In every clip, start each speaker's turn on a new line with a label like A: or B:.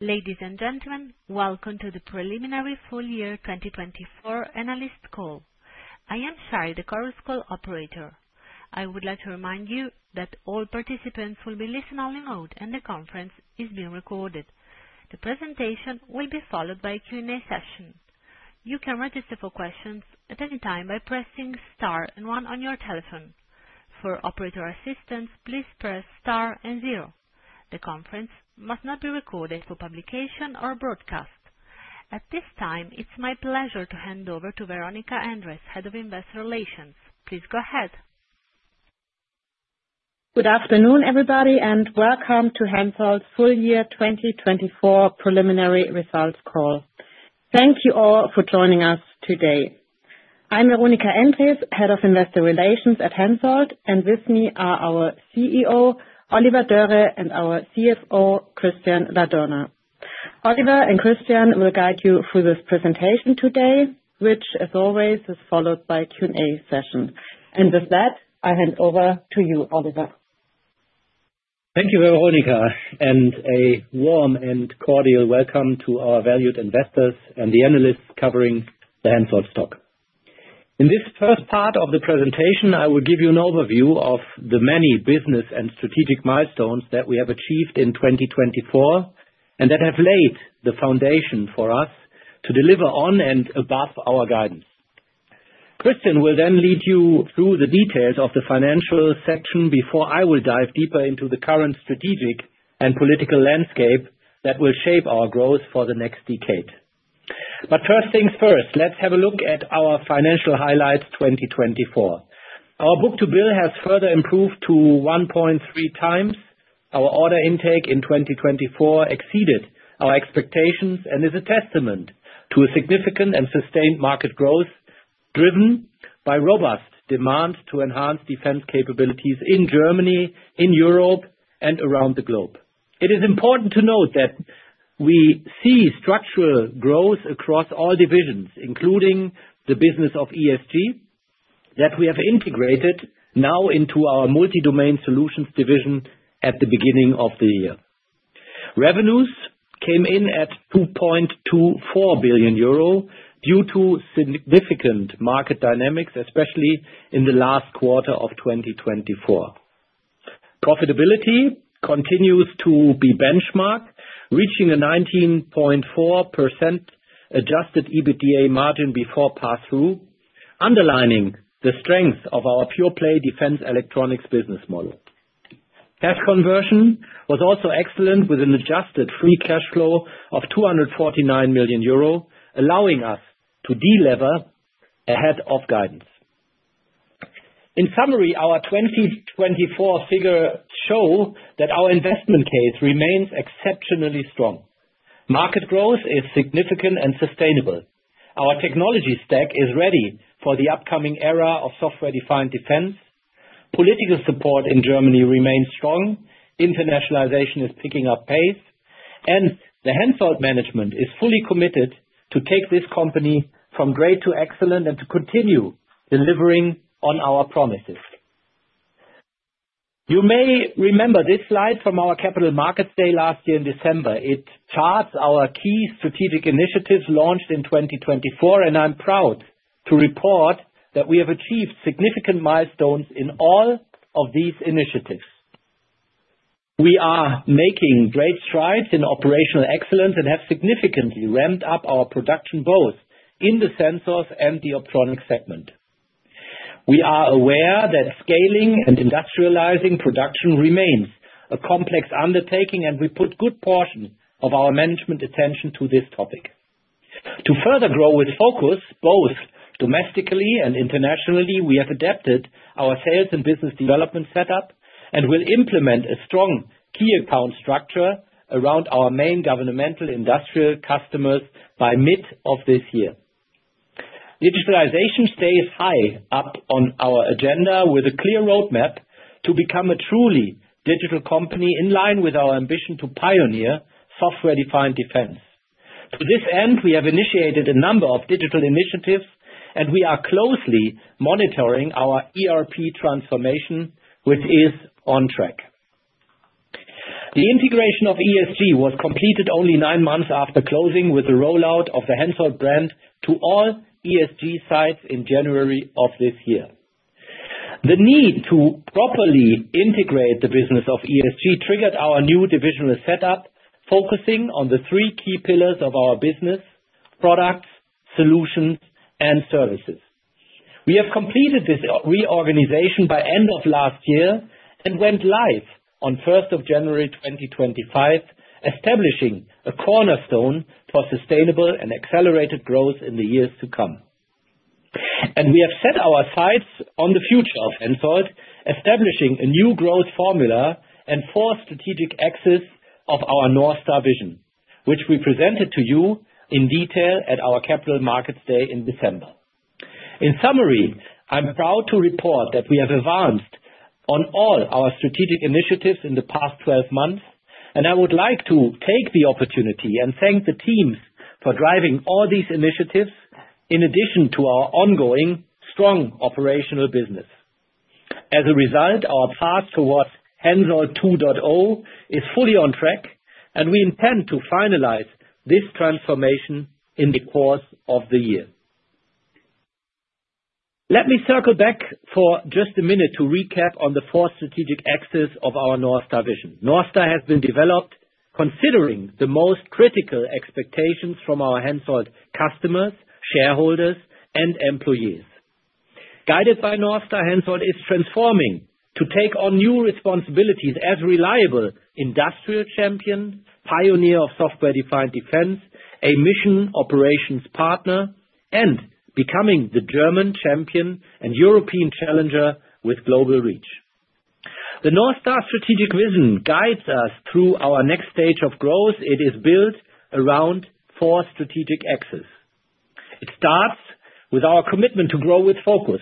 A: Ladies and gentlemen, welcome to the Preliminary Full Year 2024 Analyst Call. I am Sara, the conference call operator. I would like to remind you that all participants will be in listen-only mode, and the conference is being recorded. The presentation will be followed by a Q&A session. You can register for questions at any time by pressing star and one on your telephone. For operator assistance, please press star and zero. The conference must not be recorded for publication or broadcast. At this time, it's my pleasure to hand over to Veronika Endres, Head of Investor Relations. Please go ahead.
B: Good afternoon, everybody, and welcome to HENSOLDT's Full Year 2024 Preliminary Results Call. Thank you all for joining us today. I'm Veronika Endres, Head of Investor Relations at HENSOLDT, and with me are our CEO, Oliver Dörre, and our CFO, Christian Ladurner. Oliver and Christian will guide you through this presentation today, which, as always, is followed by a Q&A session, and with that, I hand over to you, Oliver.
C: Thank you, Veronika, and a warm and cordial welcome to our valued investors and the analysts covering the HENSOLDT stock. In this first part of the presentation, I will give you an overview of the many business and strategic milestones that we have achieved in 2024 and that have laid the foundation for us to deliver on and above our guidance. Christian will then lead you through the details of the financial section before I will dive deeper into the current strategic and political landscape that will shape our growth for the next decade. But first things first, let's have a look at our financial highlights 2024. Our book-to-bill has further improved to 1.3 times. Our order intake in 2024 exceeded our expectations and is a testament to significant and sustained market growth driven by robust demand to enhance defense capabilities in Germany, in Europe, and around the globe. It is important to note that we see structural growth across all divisions, including the business of ESG, that we have integrated now into our multi-domain solutions division at the beginning of the year. Revenues came in at 2.24 billion euro due to significant market dynamics, especially in the last quarter of 2024. Profitability continues to be benchmark, reaching a 19.4% adjusted EBITDA margin before pass-through, underlining the strength of our pure-play defense electronics business model. Cash conversion was also excellent, with an adjusted free cash flow of 249 million euro, allowing us to delever ahead of guidance. In summary, our 2024 figures show that our investment case remains exceptionally strong. Market growth is significant and sustainable. Our technology stack is ready for the upcoming era of software-defined defense. Political support in Germany remains strong. Internationalization is picking up pace, and the HENSOLDT management is fully committed to take this company from great to excellent and to continue delivering on our promises. You may remember this slide from our Capital Markets Day last year in December. It charts our key strategic initiatives launched in 2024, and I'm proud to report that we have achieved significant milestones in all of these initiatives. We are making great strides in operational excellence and have significantly ramped up our production both in the Sensors and the Optronics segment. We are aware that scaling and industrializing production remains a complex undertaking, and we put good portion of our management attention to this topic. To further grow with focus both domestically and internationally, we have adapted our sales and business development setup and will implement a strong key account structure around our main governmental industrial customers by mid of this year. Digitalization stays high up on our agenda with a clear roadmap to become a truly digital company in line with our ambition to pioneer software-defined defense. To this end, we have initiated a number of digital initiatives, and we are closely monitoring our ERP transformation, which is on track. The integration of ESG was completed only nine months after closing with the rollout of the HENSOLDT brand to all ESG sites in January of this year. The need to properly integrate the business of ESG triggered our new divisional setup, focusing on the three key pillars of our business: products, solutions, and services. We have completed this reorganization by the end of last year and went live on 1st January 2025, establishing a cornerstone for sustainable and accelerated growth in the years to come, and we have set our sights on the future of HENSOLDT, establishing a new growth formula and four strategic axes of our North Star vision, which we presented to you in detail at our Capital Markets Day in December. In summary, I'm proud to report that we have advanced on all our strategic initiatives in the past 12 months, and I would like to take the opportunity and thank the teams for driving all these initiatives in addition to our ongoing strong operational business. As a result, our path towards HENSOLDT 2.0 is fully on track, and we intend to finalize this transformation in the course of the year. Let me circle back for just a minute to recap on the four strategic axes of our North Star vision. North Star has been developed considering the most critical expectations from our HENSOLDT customers, shareholders, and employees. Guided by North Star, HENSOLDT is transforming to take on new responsibilities as a reliable industrial champion, pioneer of software-defined defense, a mission operations partner, and becoming the German champion and European challenger with global reach. The North Star strategic vision guides us through our next stage of growth. It is built around four strategic axes. It starts with our commitment to grow with focus.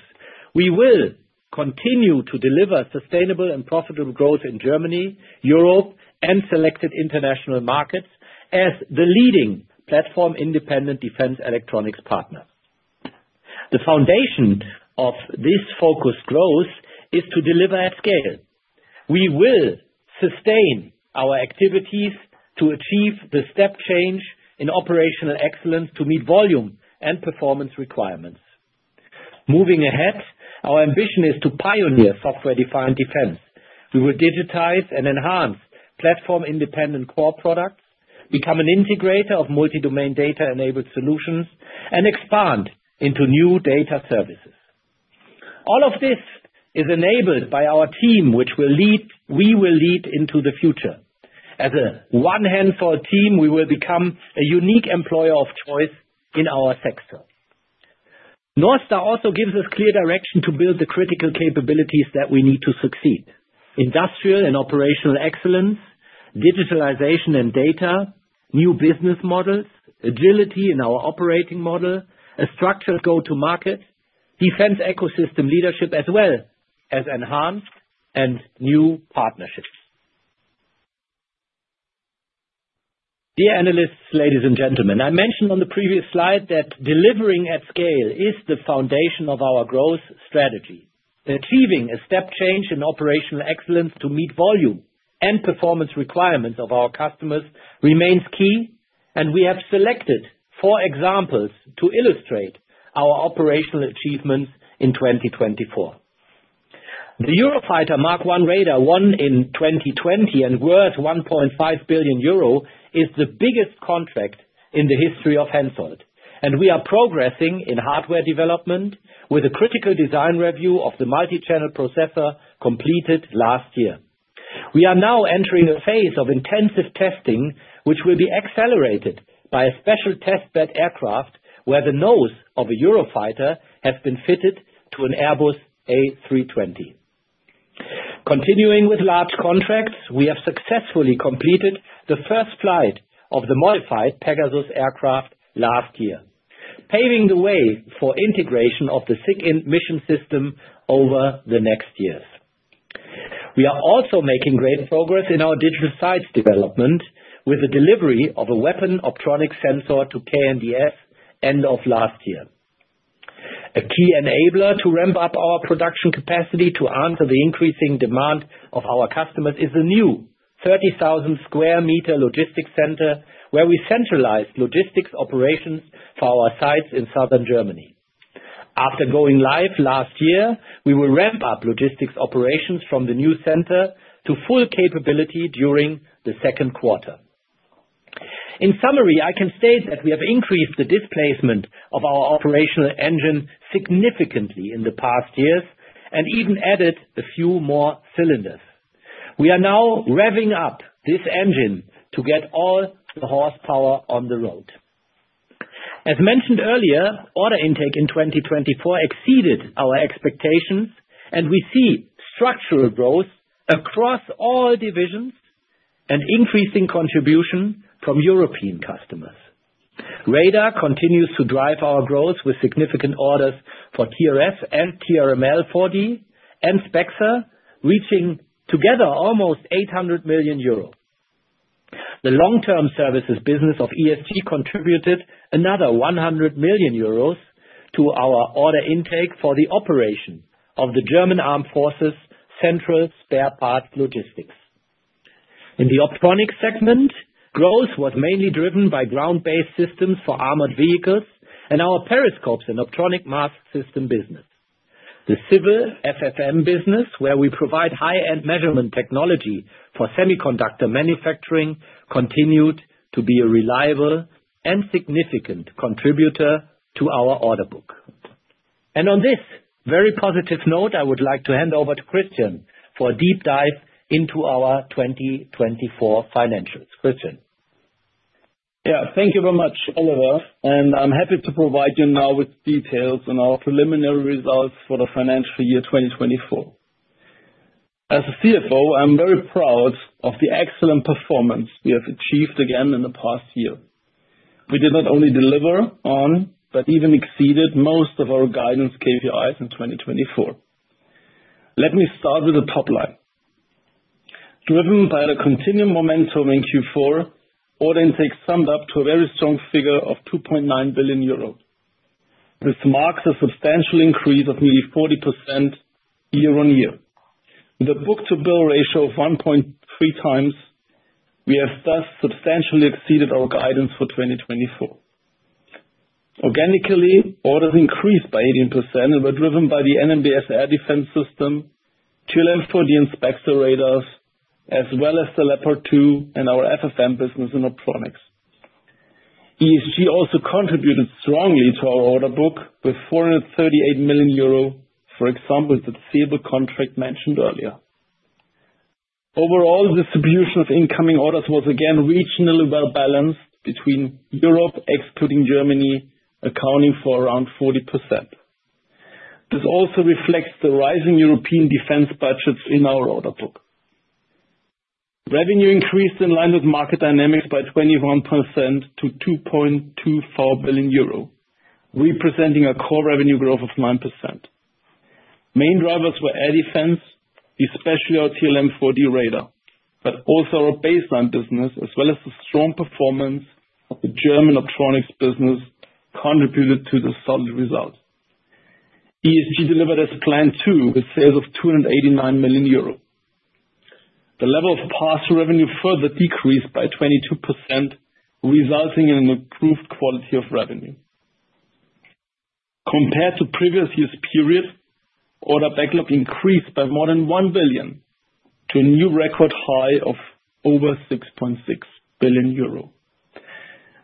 C: We will continue to deliver sustainable and profitable growth in Germany, Europe, and selected international markets as the leading platform-independent defense electronics partner. The foundation of this focused growth is to deliver at scale. We will sustain our activities to achieve the step change in operational excellence to meet volume and performance requirements. Moving ahead, our ambition is to pioneer software-defined defense. We will digitize and enhance platform-independent core products, become an integrator of multi-domain data-enabled solutions, and expand into new data services. All of this is enabled by our team, which we will lead into the future. As a one HENSOLDT team, we will become a unique employer of choice in our sector. North Star also gives us clear direction to build the critical capabilities that we need to succeed: industrial and operational excellence, digitalization and data, new business models, agility in our operating model, a structured go-to-market, defense ecosystem leadership, as well as enhanced and new partnerships. Dear analysts, ladies and gentlemen, I mentioned on the previous slide that delivering at scale is the foundation of our growth strategy. Achieving a step change in operational excellence to meet volume and performance requirements of our customers remains key, and we have selected four examples to illustrate our operational achievements in 2024. The Eurofighter Mk1 Radar, won in 2020 and worth €1.5 billion, is the biggest contract in the history of HENSOLDT, and we are progressing in hardware development with a critical design review of the multi-channel processor completed last year. We are now entering a phase of intensive testing, which will be accelerated by a special testbed aircraft where the nose of a Eurofighter has been fitted to an Airbus A320. Continuing with large contracts, we have successfully completed the first flight of the modified Pegasus aircraft last year, paving the way for integration of the SIGINT mission system over the next years. We are also making great progress in our digital sites development with the delivery of a weapon optronic sensor to KNDS end of last year. A key enabler to ramp up our production capacity to answer the increasing demand of our customers is the new 30,000 sq m logistics center, where we centralize logistics operations for our sites in southern Germany. After going live last year, we will ramp up logistics operations from the new center to full capability during the second quarter. In summary, I can state that we have increased the displacement of our operational engine significantly in the past years and even added a few more cylinders. We are now revving up this engine to get all the horsepower on the road. As mentioned earlier, order intake in 2024 exceeded our expectations, and we see structural growth across all divisions and increasing contribution from European customers. Radar continues to drive our growth with significant orders for TRS and TRML-4D and SPEXER, reaching together almost 800 million euro. The long-term services business of ESG contributed another 100 million euros to our order intake for the operation of the German Armed Forces Central Spare Parts Logistics. In the Optronics segment, growth was mainly driven by ground-based systems for armored vehicles and our Periscopes and Optronic mast system business. The Civil FFM business, where we provide high-end measurement technology for semiconductor manufacturing, continued to be a reliable and significant contributor to our order book. And on this very positive note, I would like to hand over to Christian for a deep dive into our 2024 financials. Christian.
D: Yeah, thank you very much, Oliver, and I'm happy to provide you now with details on our preliminary results for the financial year 2024. As a CFO, I'm very proud of the excellent performance we have achieved again in the past year. We did not only deliver on, but even exceeded most of our guidance KPIs in 2024. Let me start with the top line. Driven by the continued momentum in Q4, order intake summed up to a very strong figure of €2.9 billion. This marks a substantial increase of nearly 40% year on year. With a book-to-bill ratio of 1.3 times, we have thus substantially exceeded our guidance for 2024. Organically, orders increased by 18% and were driven by the NNbS air defense system, TRML-4D and SPEXER radars, as well as the Leopard 2 and our FFM business in Optronics. ESG also contributed strongly to our order book with 438 million euro, for example, with the ZEBEL contract mentioned earlier. Overall, distribution of incoming orders was again regionally well balanced between Europe, excluding Germany, accounting for around 40%. This also reflects the rising European defense budgets in our order book. Revenue increased in line with market dynamics by 21% to 2.24 billion euro, representing a core revenue growth of 9%. Main drivers were air defense, especially our TRML-4D radar, but also our baseline business, as well as the strong performance of the German Optronics business, contributed to the solid result. ESG delivered as planned too, with sales of 289 million euro. The level of pass-through revenue further decreased by 22%, resulting in an improved quality of revenue. Compared to previous year's period, order backlog increased by more than one billion to a new record high of over 6.6 billion euro.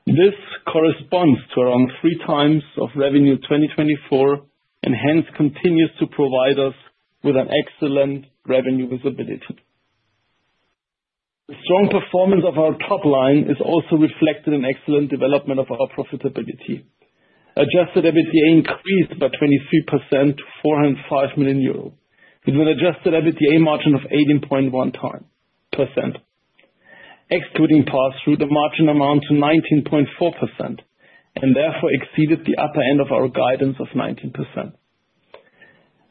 D: This corresponds to around three times of revenue 2024 and hence continues to provide us with an excellent revenue visibility. The strong performance of our top line is also reflected in excellent development of our profitability. Adjusted EBITDA increased by 23% to 405 million euros, with an adjusted EBITDA margin of 18.1%. Excluding pass-through, the margin amount to 19.4%, and therefore exceeded the upper end of our guidance of 19%.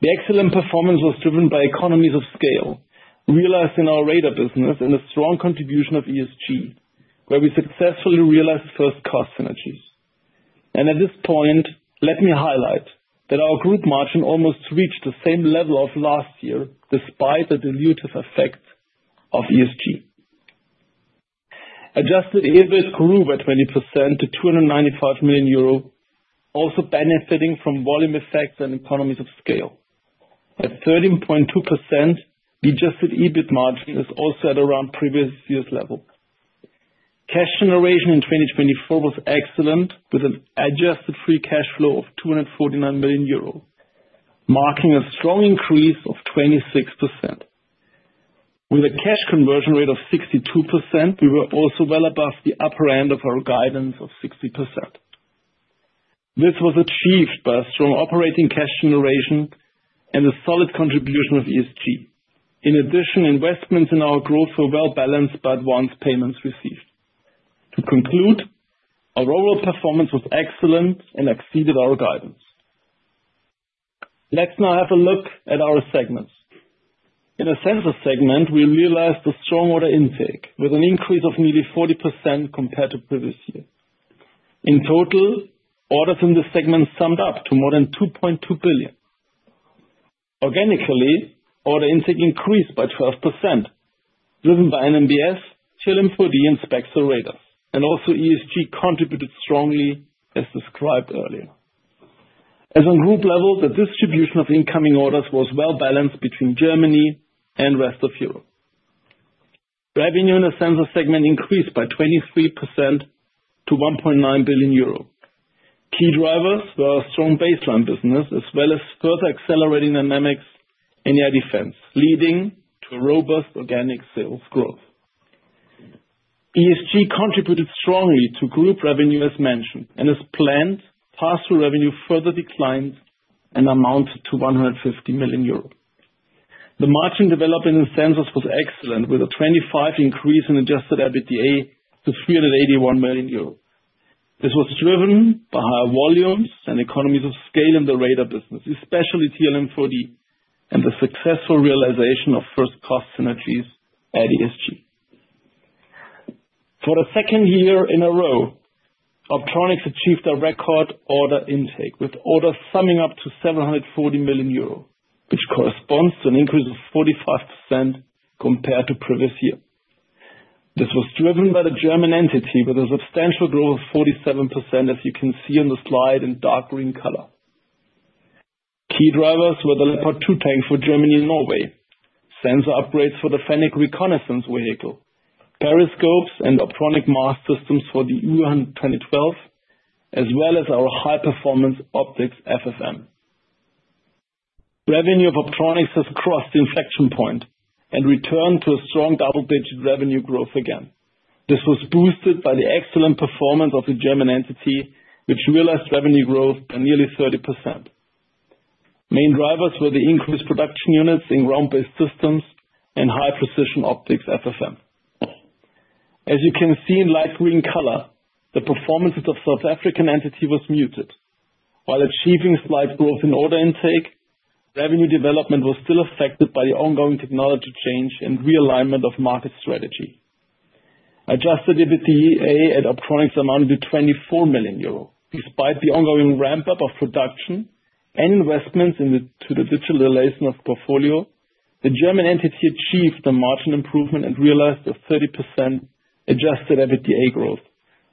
D: The excellent performance was driven by economies of scale realized in our Radar business and the strong contribution of ESG, where we successfully realized first-cost synergies. And at this point, let me highlight that our group margin almost reached the same level of last year despite the dilutive effect of ESG. Adjusted EBIT grew by 20% to 295 million euro, also benefiting from volume effects and economies of scale. At 13.2%, the adjusted EBIT margin is also at around previous year's level. Cash generation in 2024 was excellent, with an adjusted free cash flow of 249 million euro, marking a strong increase of 26%. With a cash conversion rate of 62%, we were also well above the upper end of our guidance of 60%. This was achieved by a strong operating cash generation and a solid contribution of ESG. In addition, investments in our growth were well balanced by advanced payments received. To conclude, our overall performance was excellent and exceeded our guidance. Let's now have a look at our segments. In the Sensors segment, we realized a strong order intake with an increase of nearly 40% compared to previous year. In total, orders in the segment summed up to more than 2.2 billion. Organically, order intake increased by 12%, driven by NNbS, TRML-4D, and SPEXER radars, and also ESG contributed strongly, as described earlier. As a group level, the distribution of incoming orders was well balanced between Germany and the rest of Europe. Revenue in the Sensors segment increased by 23% to €1.9 billion. Key drivers were our strong baseline business, as well as further accelerating dynamics in air defense, leading to robust organic sales growth. ESG contributed strongly to group revenue, as mentioned, and as planned, pass-through revenue further declined and amounted to €150 million. The margin developed in the Sensors segment was excellent, with a 25% increase in Adjusted EBITDA to €381 million. This was driven by higher volumes and economies of scale in the Radar business, especially TRML-4D, and the successful realization of first-cost synergies at ESG. For the second year in a row, Optronics achieved a record order intake, with orders summing up to €740 million, which corresponds to an increase of 45% compared to previous year. This was driven by the German entity, with a substantial growth of 47%, as you can see on the slide in dark green color. Key drivers were the Leopard 2 tanks for Germany and Norway, sensor upgrades for the Fennek reconnaissance vehicle, periscopes, and optronic mast systems for the Type 212, as well as our high-performance optics FFM. Revenue of Optronics has crossed the inflection point and returned to a strong double-digit revenue growth again. This was boosted by the excellent performance of the German entity, which realized revenue growth by nearly 30%. Main drivers were the increased production units in ground-based systems and high-precision optics FFM. As you can see in light green color, the performance of the South African entity was muted. While achieving slight growth in order intake, revenue development was still affected by the ongoing technology change and realignment of market strategy. Adjusted EBITDA at Optronics amounted to 24 million euro. Despite the ongoing ramp-up of production and investments to the digitalization of the portfolio, the German entity achieved a margin improvement and realized a 30% adjusted EBITDA growth,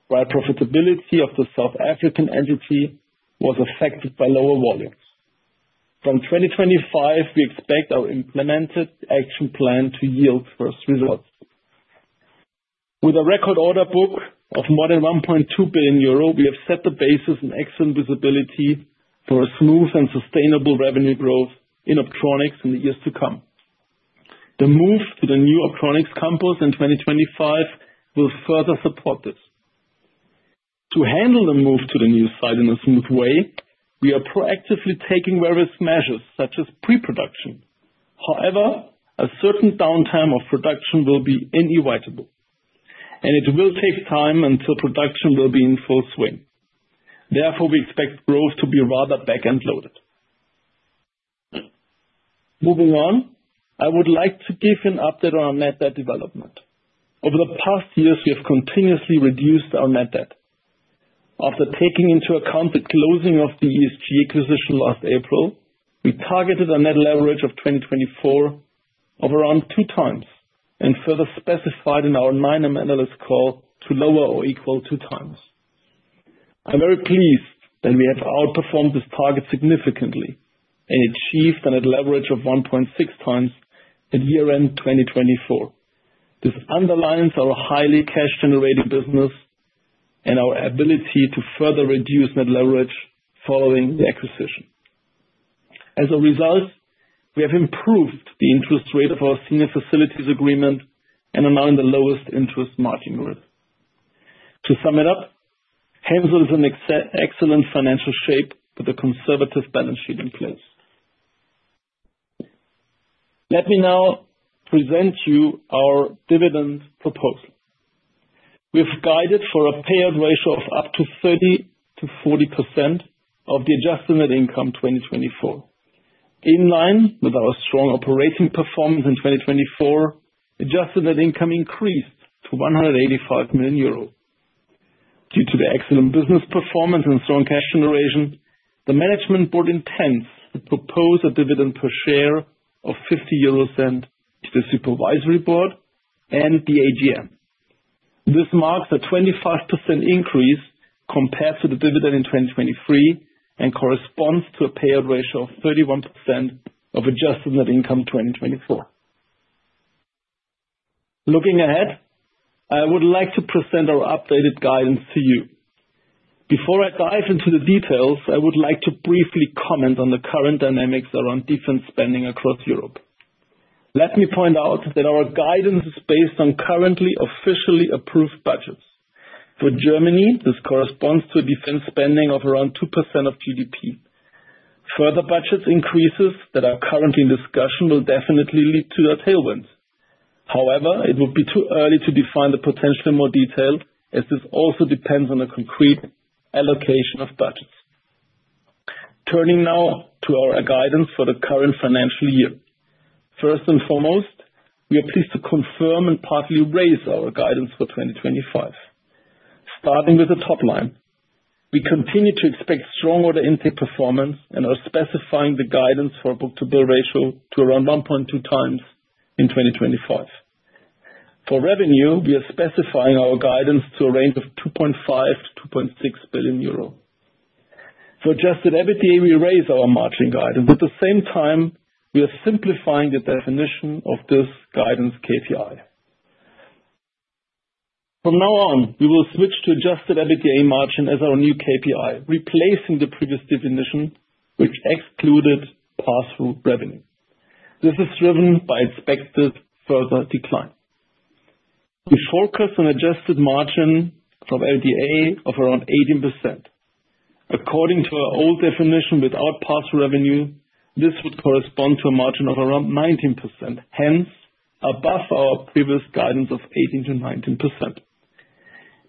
D: while profitability of the South African entity was affected by lower volumes. From 2025, we expect our implemented action plan to yield first results. With a record order book of more than 1.2 billion euro, we have set the basis and excellent visibility for a smooth and sustainable revenue growth in Optronics in the years to come. The move to the new Optronics campus in 2025 will further support this. To handle the move to the new site in a smooth way, we are proactively taking various measures, such as pre-production. However, a certain downtime of production will be inevitable, and it will take time until production will be in full swing. Therefore, we expect growth to be rather back-end loaded. Moving on, I would like to give you an update on our net debt development. Over the past years, we have continuously reduced our net debt. After taking into account the closing of the ESG acquisition last April, we targeted a net leverage for 2024 of around two times and further specified in our 9M analyst call to lower or equal two times. I'm very pleased that we have outperformed this target significantly and achieved a net leverage of 1.6 times at year-end 2024. This underlines our highly cash-generating business and our ability to further reduce net leverage following the acquisition. As a result, we have improved the interest rate of our senior facilities agreement and are now in the lowest interest margin growth. To sum it up, HENSOLDT is in excellent financial shape with a conservative balance sheet in place. Let me now present to you our dividend proposal. We have guided for a payout ratio of up to 30% to 40% of the adjusted net income 2024. In line with our strong operating performance in 2024, adjusted net income increased to 185 million euro. Due to the excellent business performance and strong cash generation, the management board intends to propose a dividend per share of 0.50 to the supervisory board and the AGM. This marks a 25% increase compared to the dividend in 2023 and corresponds to a payout ratio of 31% of adjusted net income 2024. Looking ahead, I would like to present our updated guidance to you. Before I dive into the details, I would like to briefly comment on the current dynamics around defense spending across Europe. Let me point out that our guidance is based on currently officially approved budgets. For Germany, this corresponds to a defense spending of around 2% of GDP. Further budget increases that are currently in discussion will definitely lead to tailwinds. However, it would be too early to define the potential in more detail, as this also depends on a concrete allocation of budgets. Turning now to our guidance for the current financial year. First and foremost, we are pleased to confirm and partly raise our guidance for 2025. Starting with the top line, we continue to expect strong order intake performance and are specifying the guidance for book-to-bill ratio to around 1.2 times in 2025. For revenue, we are specifying our guidance to a range of 2.5-2.6 billion euro. For Adjusted EBITDA, we raise our margin guidance. At the same time, we are simplifying the definition of this guidance KPI. From now on, we will switch to adjusted EBITDA margin as our new KPI, replacing the previous definition, which excluded pass-through revenue. This is driven by expected further decline. We focus on adjusted margin from EBITDA of around 18%. According to our old definition, without pass-through revenue, this would correspond to a margin of around 19%, hence above our previous guidance of 18%-19%.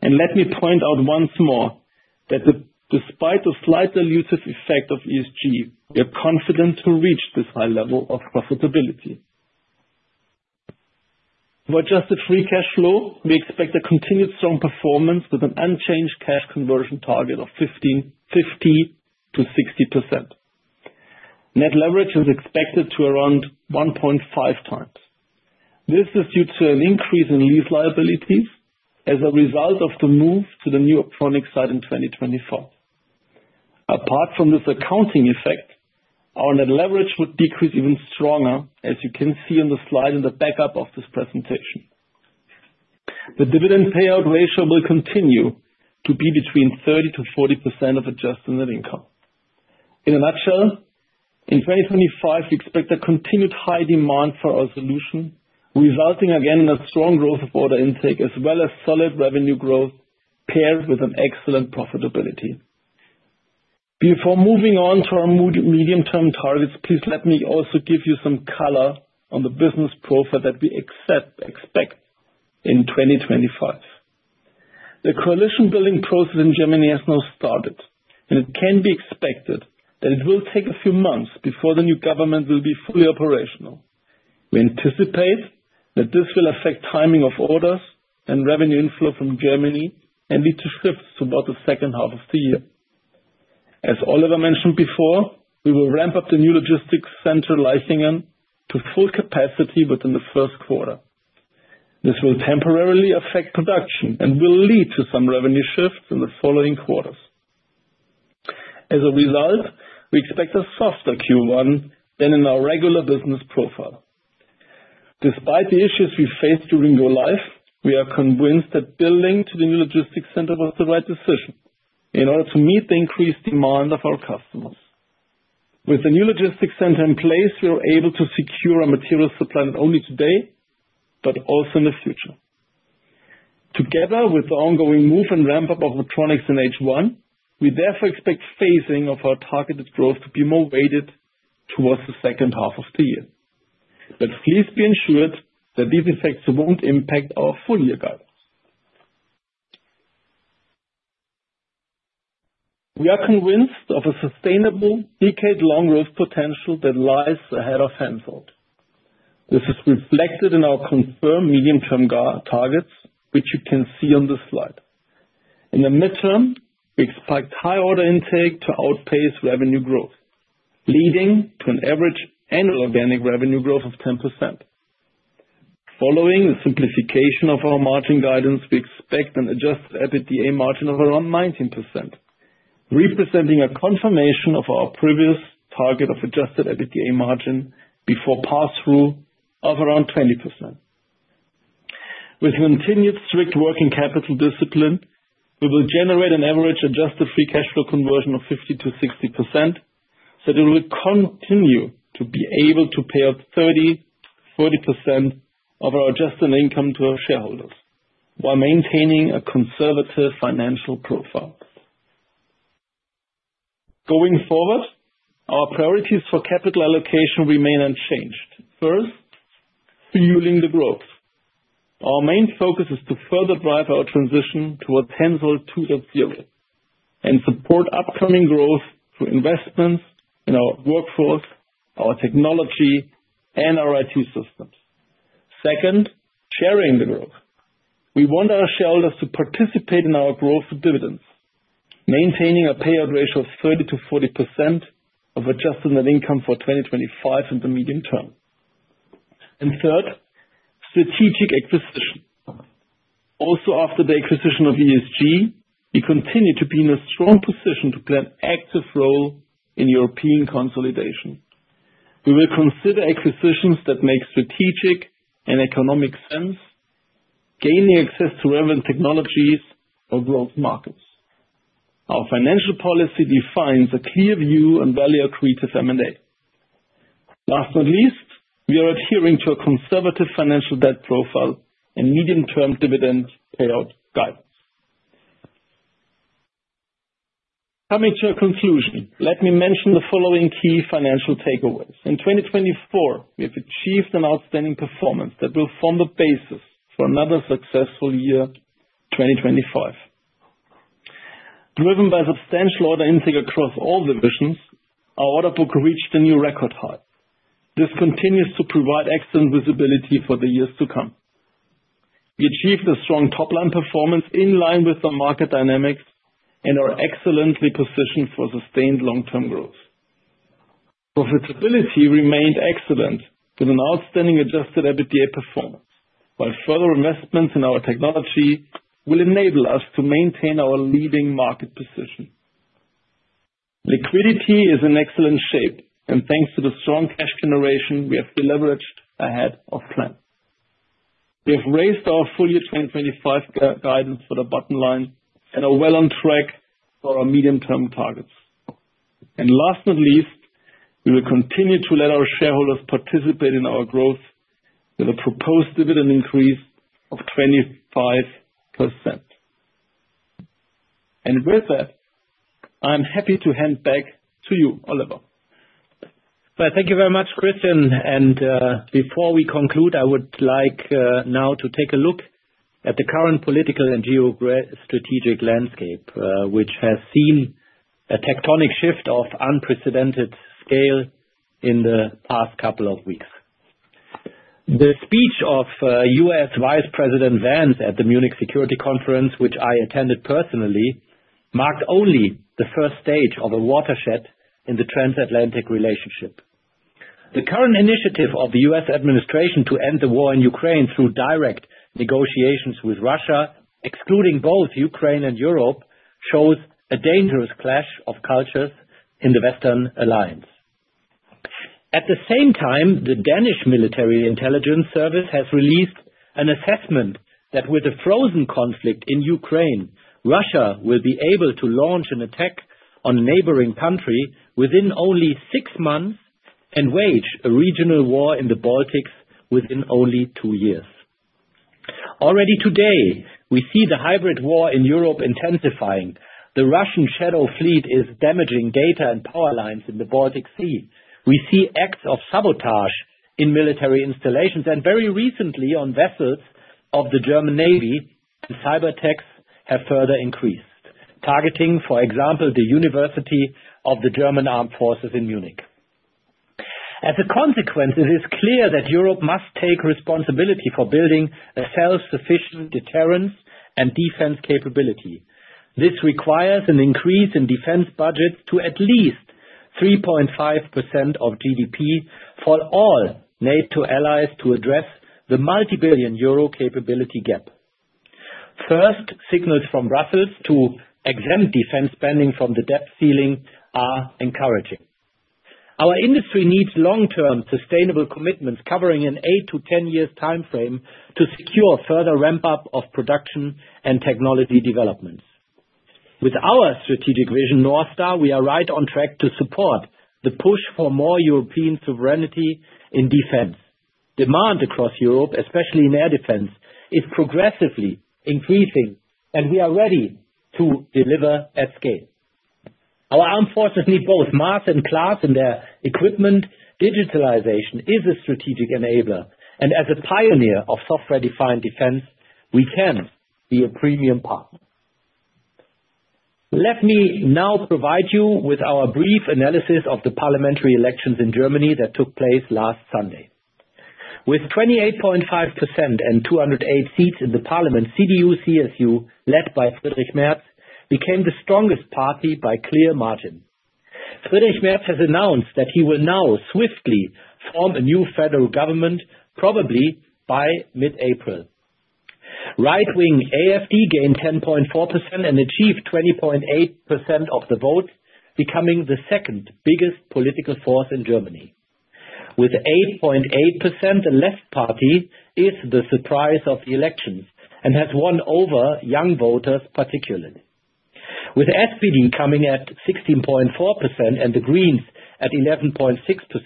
D: Let me point out once more that despite the slight dilutive effect of ESG, we are confident to reach this high level of profitability. For adjusted free cash flow, we expect a continued strong performance with an unchanged cash conversion target of 50%-60%. Net leverage is expected to around 1.5 times. This is due to an increase in lease liabilities as a result of the move to the new Optronics site in 2024. Apart from this accounting effect, our net leverage would decrease even stronger, as you can see on the slide in the backup of this presentation. The dividend payout ratio will continue to be between 30%-40% of adjusted net income. In a nutshell, in 2025, we expect a continued high demand for our solution, resulting again in a strong growth of order intake, as well as solid revenue growth paired with excellent profitability. Before moving on to our medium-term targets, please let me also give you some color on the business profile that we expect in 2025. The coalition-building process in Germany has now started, and it can be expected that it will take a few months before the new government will be fully operational. We anticipate that this will affect timing of orders and revenue inflow from Germany and lead to shifts toward the second half of the year. As Oliver mentioned before, we will ramp up the new logistics center Laichingen to full capacity within the first quarter. This will temporarily affect production and will lead to some revenue shifts in the following quarters. As a result, we expect a softer Q1 than in our regular business profile. Despite the issues we faced during the build, we are convinced that building the new logistics center was the right decision in order to meet the increased demand of our customers. With the new logistics center in place, we are able to secure our material supply not only today but also in the future. Together with the ongoing move and ramp-up of Optronics in H1, we therefore expect phasing of our targeted growth to be more weighted towards the second half of the year. But please be ensured that these effects won't impact our full-year guidance. We are convinced of a sustainable decade-long growth potential that lies ahead of HENSOLDT. This is reflected in our confirmed medium-term targets, which you can see on this slide. In the midterm, we expect high order intake to outpace revenue growth, leading to an average annual organic revenue growth of 10%. Following the simplification of our margin guidance, we expect an Adjusted EBITDA margin of around 19%, representing a confirmation of our previous target of Adjusted EBITDA margin before pass-through of around 20%. With continued strict working capital discipline, we will generate an average adjusted free cash flow conversion of 50%-60%, so that we will continue to be able to pay out 30%-40% of our adjusted net income to our shareholders while maintaining a conservative financial profile. Going forward, our priorities for capital allocation remain unchanged. First, fueling the growth. Our main focus is to further drive our transition towards HENSOLDT 2.0 and support upcoming growth through investments in our workforce, our technology, and our IT systems. Second, sharing the growth. We want our shareholders to participate in our growth of dividends, maintaining a payout ratio of 30%-40% of adjusted net income for 2025 in the medium term. And third, strategic acquisition. Also, after the acquisition of ESG, we continue to be in a strong position to play an active role in European consolidation. We will consider acquisitions that make strategic and economic sense, gaining access to relevant technologies or growth markets. Our financial policy defines a clear view and value accretive M&A. Last but not least, we are adhering to a conservative financial debt profile and medium-term dividend payout guidance. Coming to a conclusion, let me mention the following key financial takeaways. In 2024, we have achieved an outstanding performance that will form the basis for another successful year, 2025. Driven by substantial order intake across all divisions, our order book reached a new record high. This continues to provide excellent visibility for the years to come. We achieved a strong top-line performance in line with our market dynamics and are excellently positioned for sustained long-term growth. Profitability remained excellent with an outstanding adjusted EBITDA performance, while further investments in our technology will enable us to maintain our leading market position. Liquidity is in excellent shape, and thanks to the strong cash generation, we have deleveraged ahead of plan. We have raised our full-year 2025 guidance for the bottom line and are well on track for our medium-term targets. And last but not least, we will continue to let our shareholders participate in our growth with a proposed dividend increase of 25%. And with that, I'm happy to hand back to you, Oliver.
C: Thank you very much, Christian. And before we conclude, I would like now to take a look at the current political and geostrategic landscape, which has seen a tectonic shift of unprecedented scale in the past couple of weeks. The speech of U.S. Vice President Vance at the Munich Security Conference, which I attended personally, marked only the first stage of a watershed in the transatlantic relationship. The current initiative of the U.S. administration to end the war in Ukraine through direct negotiations with Russia, excluding both Ukraine and Europe, shows a dangerous clash of cultures in the Western alliance. At the same time, the Danish Military Intelligence Service has released an assessment that with the frozen conflict in Ukraine, Russia will be able to launch an attack on a neighboring country within only six months and wage a regional war in the Baltics within only two years. Already today, we see the hybrid war in Europe intensifying. The Russian shadow fleet is damaging data and power lines in the Baltic Sea. We see acts of sabotage in military installations, and very recently, on vessels of the German Navy, cyberattacks have further increased, targeting, for example, the University of the German Armed Forces in Munich. As a consequence, it is clear that Europe must take responsibility for building a self-sufficient deterrence and defense capability. This requires an increase in defense budgets to at least 3.5% of GDP for all NATO allies to address the multi-billion euro capability gap. First signals from Brussels to exempt defense spending from the debt ceiling are encouraging. Our industry needs long-term sustainable commitments covering an 8- to 10-year timeframe to secure further ramp-up of production and technology developments. With our strategic vision, North Star, we are right on track to support the push for more European sovereignty in defense. Demand across Europe, especially in air defense, is progressively increasing, and we are ready to deliver at scale. Unfortunately, both mass and class in their equipment digitalization is a strategic enabler, and as a pioneer of software-defined defense, we can be a premium partner. Let me now provide you with our brief analysis of the parliamentary elections in Germany that took place last Sunday. With 28.5% and 208 seats in the parliament, CDU/CSU, led by Friedrich Merz, became the strongest party by clear margin. Friedrich Merz has announced that he will now swiftly form a new federal government, probably by mid-April. Right-wing AfD gained 10.4% and achieved 20.8% of the vote, becoming the second biggest political force in Germany. With 8.8%, the Left Party is the surprise of the elections and has won over young voters particularly. With SPD coming at 16.4% and the Greens at 11.6%,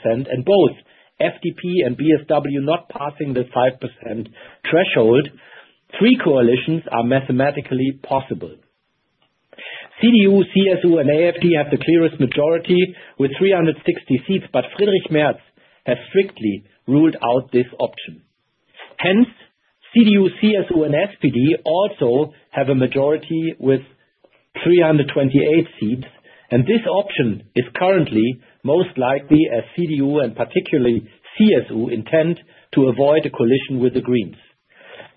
C: and both FDP and BSW not passing the 5% threshold, three coalitions are mathematically possible. CDU/CSU and AfD have the clearest majority with 360 seats, but Friedrich Merz has strictly ruled out this option. Hence, CDU/CSU and SPD also have a majority with 328 seats, and this option is currently most likely as CDU and particularly CSU intend to avoid a coalition with the Greens.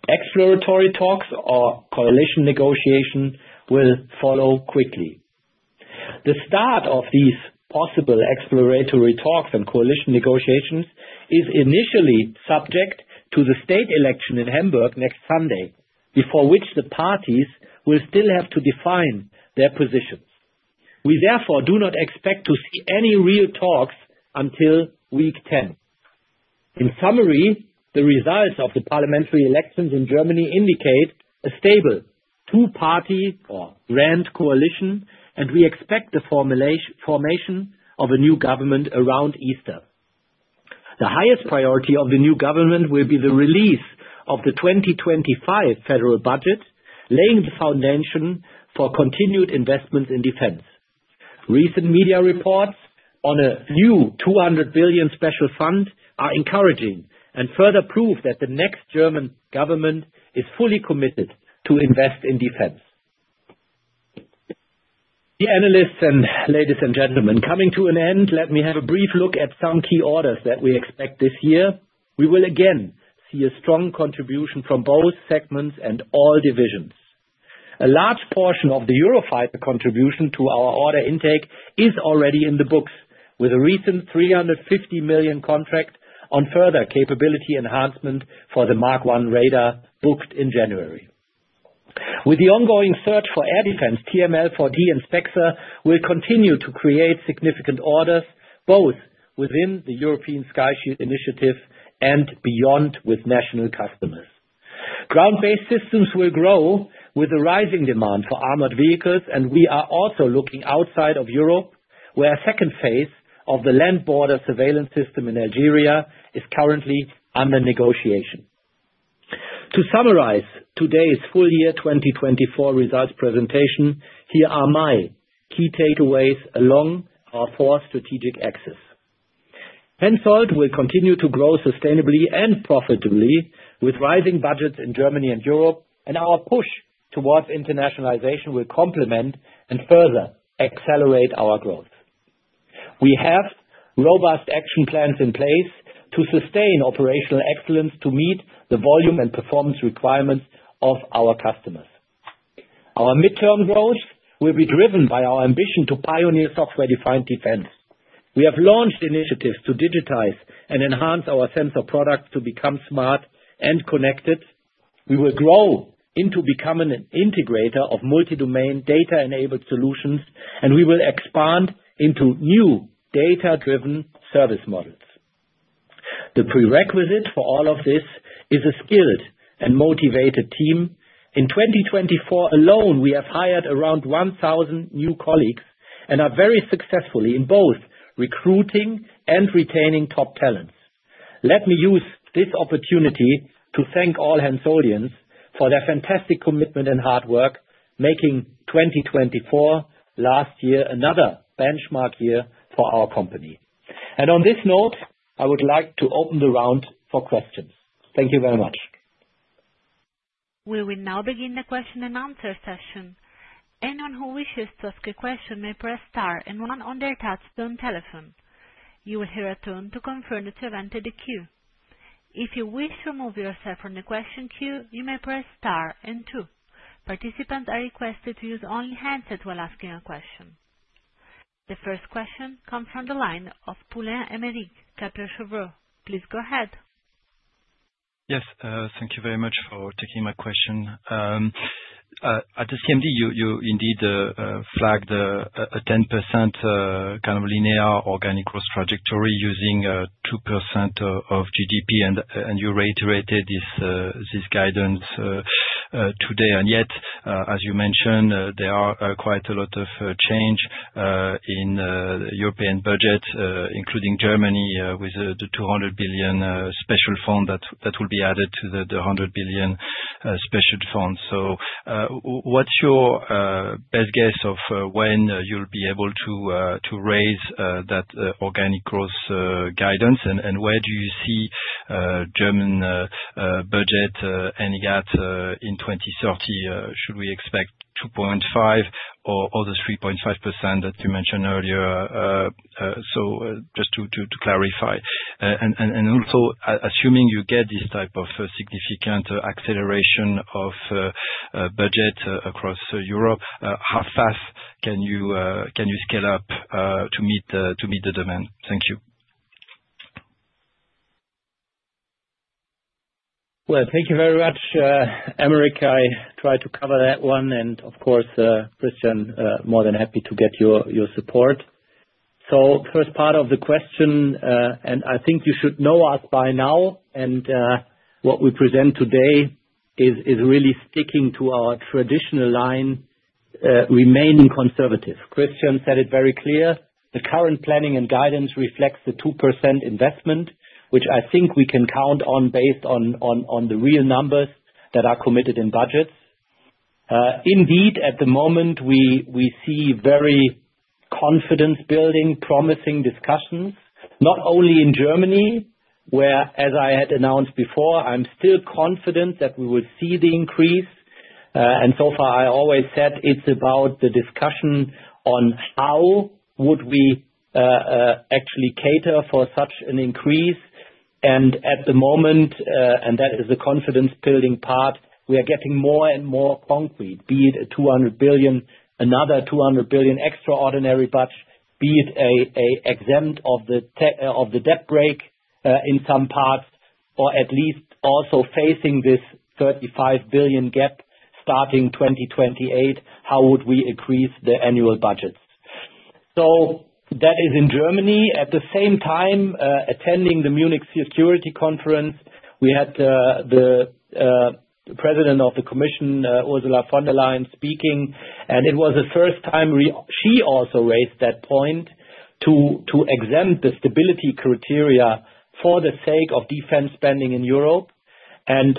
C: Exploratory talks or coalition negotiation will follow quickly. The start of these possible exploratory talks and coalition negotiations is initially subject to the state election in Hamburg next Sunday, before which the parties will still have to define their positions. We therefore do not expect to see any real talks until week 10. In summary, the results of the parliamentary elections in Germany indicate a stable two-party or grand coalition, and we expect the formation of a new government around Easter. The highest priority of the new government will be the release of the 2025 federal budget, laying the foundation for continued investments in defense. Recent media reports on a new 200 billion special fund are encouraging and further prove that the next German government is fully committed to invest in defense. Dear analysts and ladies and gentlemen, coming to an end, let me have a brief look at some key orders that we expect this year. We will again see a strong contribution from both segments and all divisions. A large portion of the Eurofighter contribution to our order intake is already in the books, with a recent 350 million contract on further capability enhancement for the Mk1 Radar booked in January. With the ongoing search for air defense, TRML-4D and SPEXER will continue to create significant orders, both within the European Sky Shield Initiative and beyond with national customers. Ground-based systems will grow with the rising demand for armored vehicles, and we are also looking outside of Europe, where a second phase of the Land Border Surveillance System in Algeria is currently under negotiation. To summarize today's full-year 2024 results presentation, here are my key takeaways along our four strategic axes. HENSOLDT will continue to grow sustainably and profitably with rising budgets in Germany and Europe, and our push towards internationalization will complement and further accelerate our growth. We have robust action plans in place to sustain operational excellence to meet the volume and performance requirements of our customers. Our midterm growth will be driven by our ambition to pioneer software-defined defense. We have launched initiatives to digitize and enhance our sensor product to become smart and connected. We will grow into becoming an integrator of multi-domain data-enabled solutions, and we will expand into new data-driven service models. The prerequisite for all of this is a skilled and motivated team. In 2024 alone, we have hired around 1,000 new colleagues and are very successful in both recruiting and retaining top talents. Let me use this opportunity to thank all HENSOLDTians for their fantastic commitment and hard work, making 2024 last year another benchmark year for our company. And on this note, I would like to open the round for questions. Thank you very much.
A: We will now begin the question and answer session. Anyone who wishes to ask a question may press star and one on their touch-tone telephone. You will hear a tone to confirm that you've entered the queue. If you wish to remove yourself from the question queue, you may press star and two. Participants are requested to use only handsets while asking a question. The first question comes from the line of Poulain Aymeric, Kepler Cheuvreux. Please go ahead.
E: Yes, thank you very much for taking my question. At the CMD, you indeed flagged a 10% kind of linear organic growth trajectory using 2% of GDP, and you reiterated this guidance today. And yet, as you mentioned, there are quite a lot of change in the European budget, including Germany, with the 200 billion special fund that will be added to the 100 billion special fund. So what's your best guess of when you'll be able to raise that organic growth guidance, and where do you see German budget any gaps in 2030? Should we expect 2.5% or the 3.5% that you mentioned earlier? So just to clarify, and also assuming you get this type of significant acceleration of budget across Europe, how fast can you scale up to meet the demand? Thank you.
C: Thank you very much, Aymeric. I tried to cover that one, and of course, Christian, more than happy to get your support. First part of the question, and I think you should know us by now, and what we present today is really sticking to our traditional line, remaining conservative. Christian said it very clear. The current planning and guidance reflects the 2% investment, which I think we can count on based on the real numbers that are committed in budgets. Indeed, at the moment, we see very confidence-building, promising discussions, not only in Germany, where, as I had announced before, I'm still confident that we will see the increase. And so far, I always said it's about the discussion on how would we actually cater for such an increase. And at the moment, and that is the confidence-building part, we are getting more and more concrete, be it 200 billion, another 200 billion extraordinary budget, be it an exempt of the debt brake in some parts, or at least also facing this 35 billion gap starting 2028, how would we increase the annual budgets? So that is in Germany. At the same time, attending the Munich Security Conference, we had the President of the Commission, Ursula von der Leyen, speaking, and it was the first time she also raised that point to exempt the stability criteria for the sake of defense spending in Europe. And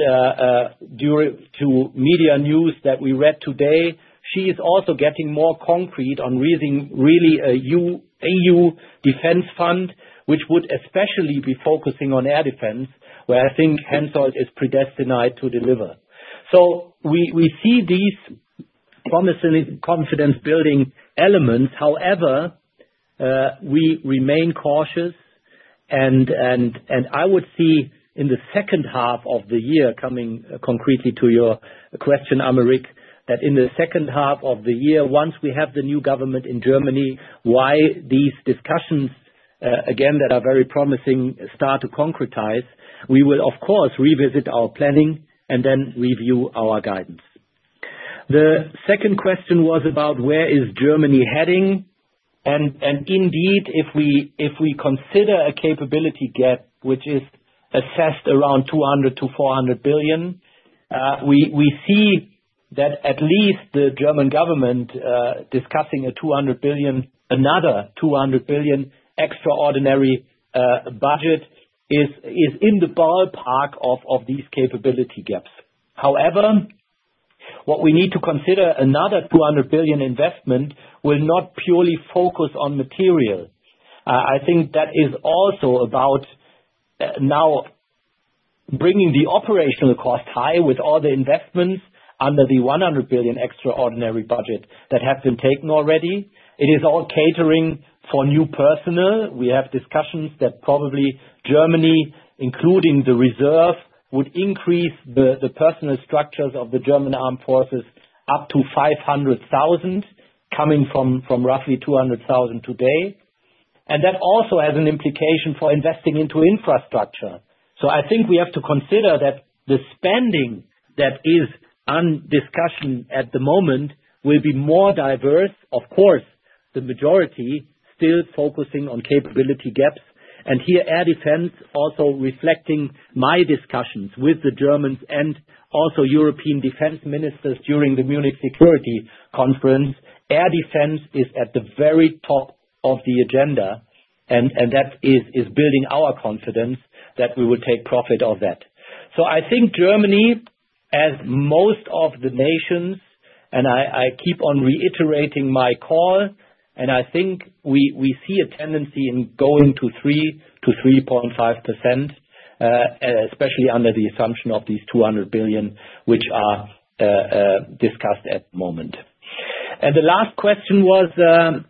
C: to media news that we read today, she is also getting more concrete on raising really a new EU defense fund, which would especially be focusing on air defense, where I think HENSOLDT is predestined to deliver. So we see these promising confidence-building elements. However, we remain cautious, and I would see in the second half of the year, coming concretely to your question, Aymeric, that in the second half of the year, once we have the new government in Germany, why these discussions, again, that are very promising, start to concretize, we will, of course, revisit our planning and then review our guidance. The second question was about where is Germany heading? And indeed, if we consider a capability gap, which is assessed around 200 billion-400 billion, we see that at least the German government discussing a 200 billion, another 200 billion extraordinary budget is in the ballpark of these capability gaps. However, what we need to consider, another 200 billion investment will not purely focus on material. I think that is also about now bringing the operational cost high with all the investments under the 100 billion extraordinary budget that have been taken already. It is all catering for new personnel. We have discussions that probably Germany, including the reserve, would increase the personnel structures of the German armed forces up to 500,000, coming from roughly 200,000 today, and that also has an implication for investing into infrastructure, so I think we have to consider that the spending that is under discussion at the moment will be more diverse. Of course, the majority still focusing on capability gaps, and here, air defense also reflecting my discussions with the Germans and also European defense ministers during the Munich Security Conference. Air defense is at the very top of the agenda, and that is building our confidence that we will take profit of that. I think Germany, as most of the nations, and I keep on reiterating my call, and I think we see a tendency in going to 3%-3.5%, especially under the assumption of these 200 billion, which are discussed at the moment. The last question was,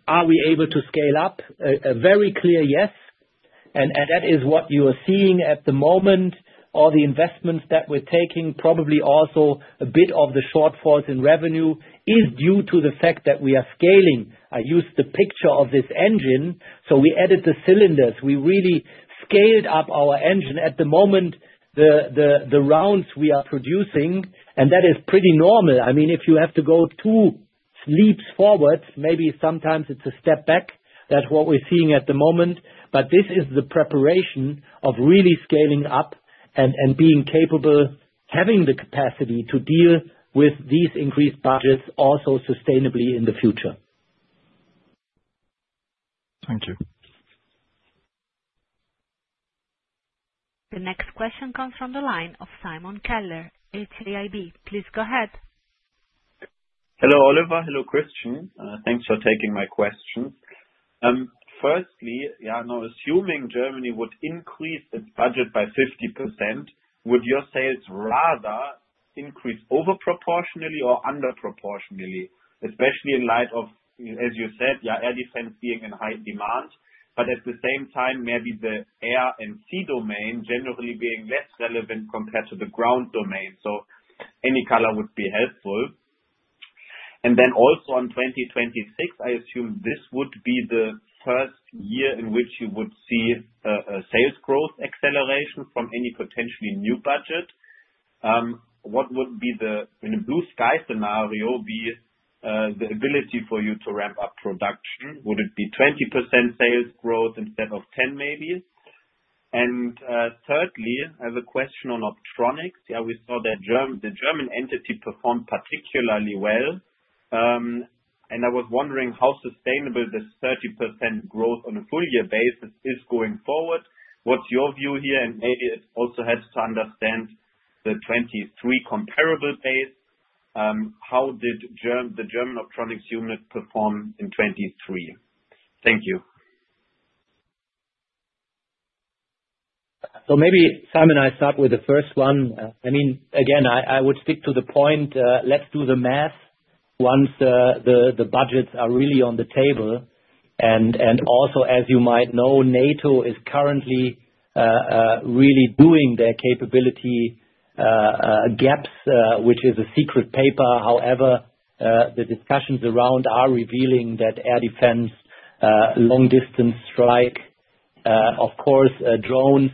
C: are we able to scale up? A very clear yes. That is what you are seeing at the moment. All the investments that we're taking, probably also a bit of the shortfalls in revenue, is due to the fact that we are scaling. I used the picture of this engine, so we added the cylinders. We really scaled up our engine. At the moment, the rounds we are producing, and that is pretty normal. I mean, if you have to go two leaps forward, maybe sometimes it's a step back, that's what we're seeing at the moment. But this is the preparation of really scaling up and being capable, having the capacity to deal with these increased budgets also sustainably in the future.
E: Thank you.
A: The next question comes from the line of Simon Keller, HAIB. Please go ahead.
F: Hello, Oliver. Hello, Christian. Thanks for taking my question. Firstly, assuming Germany would increase its budget by 50%, would your sales rather increase overproportionally or underproportionally, especially in light of, as you said, air defense being in high demand, but at the same time, maybe the air and sea domain generally being less relevant compared to the ground domain? So any color would be helpful. And then also on 2026, I assume this would be the first year in which you would see sales growth acceleration from any potentially new budget. What would be the, in a blue sky scenario, be the ability for you to ramp up production? Would it be 20% sales growth instead of 10% maybe? And thirdly, I have a question on Optronics. We saw that the German entity performed particularly well. And I was wondering how sustainable this 30% growth on a full-year basis is going forward. What's your view here? And maybe it also helps to understand the 2023 comparable base. How did the German Optronics unit perform in 2023? Thank you.
C: So maybe Simon and I start with the first one. I mean, again, I would stick to the point. Let's do the math. Once the budgets are really on the table. And also, as you might know, NATO is currently really doing their capability gaps, which is a secret paper. However, the discussions around are revealing that air defense, long-distance strike, of course, drones,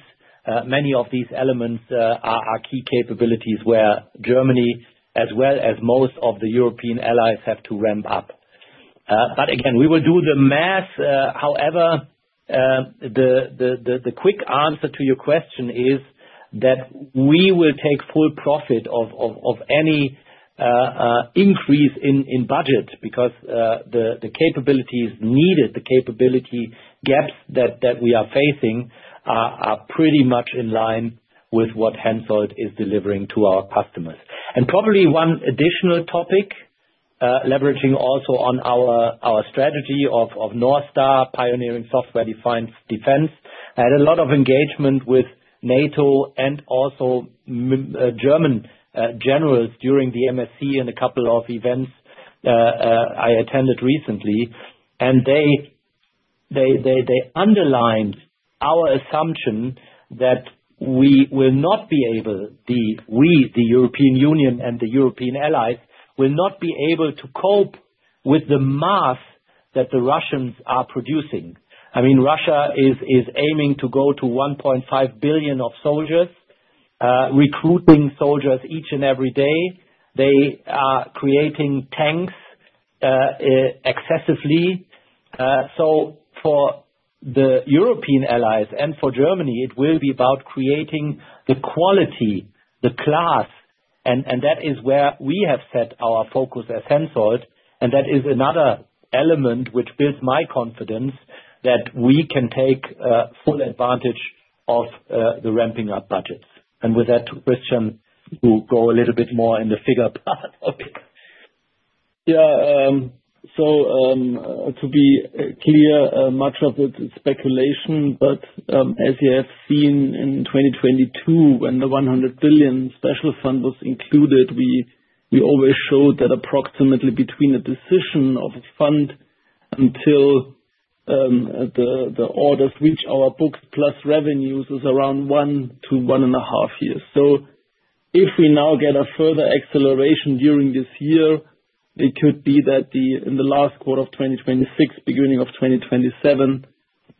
C: many of these elements are key capabilities where Germany, as well as most of the European allies, have to ramp up. But again, we will do the math. However, the quick answer to your question is that we will take full profit of any increase in budget because the capabilities needed, the capability gaps that we are facing are pretty much in line with what HENSOLDT is delivering to our customers. And probably one additional topic, leveraging also on our strategy of North Star pioneering software-defined defense, I had a lot of engagement with NATO and also German generals during the MSC and a couple of events I attended recently. And they underlined our assumption that we will not be able to, we, the European Union and the European allies, will not be able to cope with the mass that the Russians are producing. I mean, Russia is aiming to go to 1.5 billion of soldiers, recruiting soldiers each and every day. They are creating tanks excessively. So for the European allies and for Germany, it will be about creating the quality, the class. And that is where we have set our focus at HENSOLDT. And that is another element which builds my confidence that we can take full advantage of the ramping up budgets. And with that, Christian, we'll go a little bit more in the figure part.
D: Yeah. So to be clear, much of it is speculation. But as you have seen in 2022, when the 100 billion special fund was included, we always showed that approximately between the decision of a fund until the orders reach our books plus revenues is around one to one and a half years. So if we now get a further acceleration during this year, it could be that in the last quarter of 2026, beginning of 2027,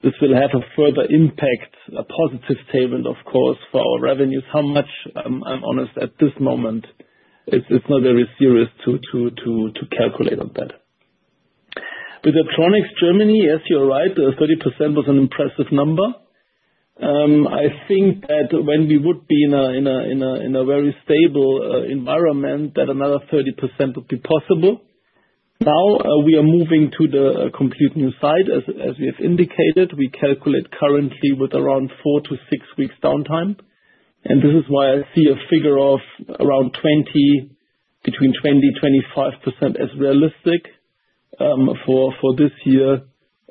D: this will have a further impact, a positive statement, of course, for our revenues. How much, I'm honest, at this moment, it's not very serious to calculate on that. With Optronics, Germany, as you're right, 30% was an impressive number. I think that when we would be in a very stable environment, that another 30% would be possible. Now we are moving to the complete new side, as we have indicated. We calculate currently with around four to six weeks downtime. And this is why I see a figure of around 20%-25% as realistic for this year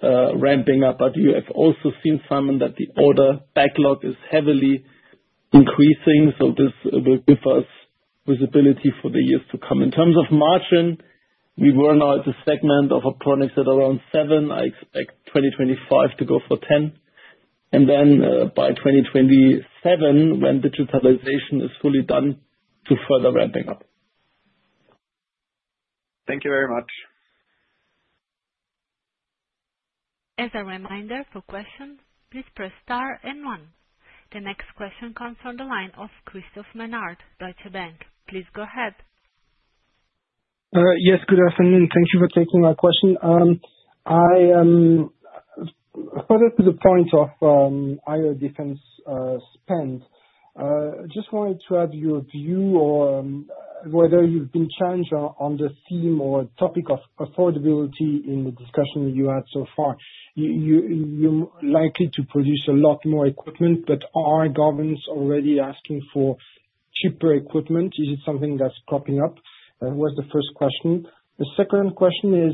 D: ramping up. But you have also seen, Simon, that the order backlog is heavily increasing. So this will give us visibility for the years to come. In terms of margin, we were now at the Optronics segment at around 7%. I expect 2025 to go for 10%. And then by 2027, when digitalization is fully done, to further ramping up.
F: Thank you very much.
A: As a reminder for questions, please press star and one. The next question comes from the line of Christophe Menard, Deutsche Bank. Please go ahead.
G: Yes, good afternoon. Thank you for taking my question. Further to the point of IR defense spend, I just wanted to have your view on whether you've been challenged on the theme or topic of affordability in the discussions you had so far. You're likely to produce a lot more equipment, but are governments already asking for cheaper equipment? Is it something that's cropping up? That was the first question. The second question is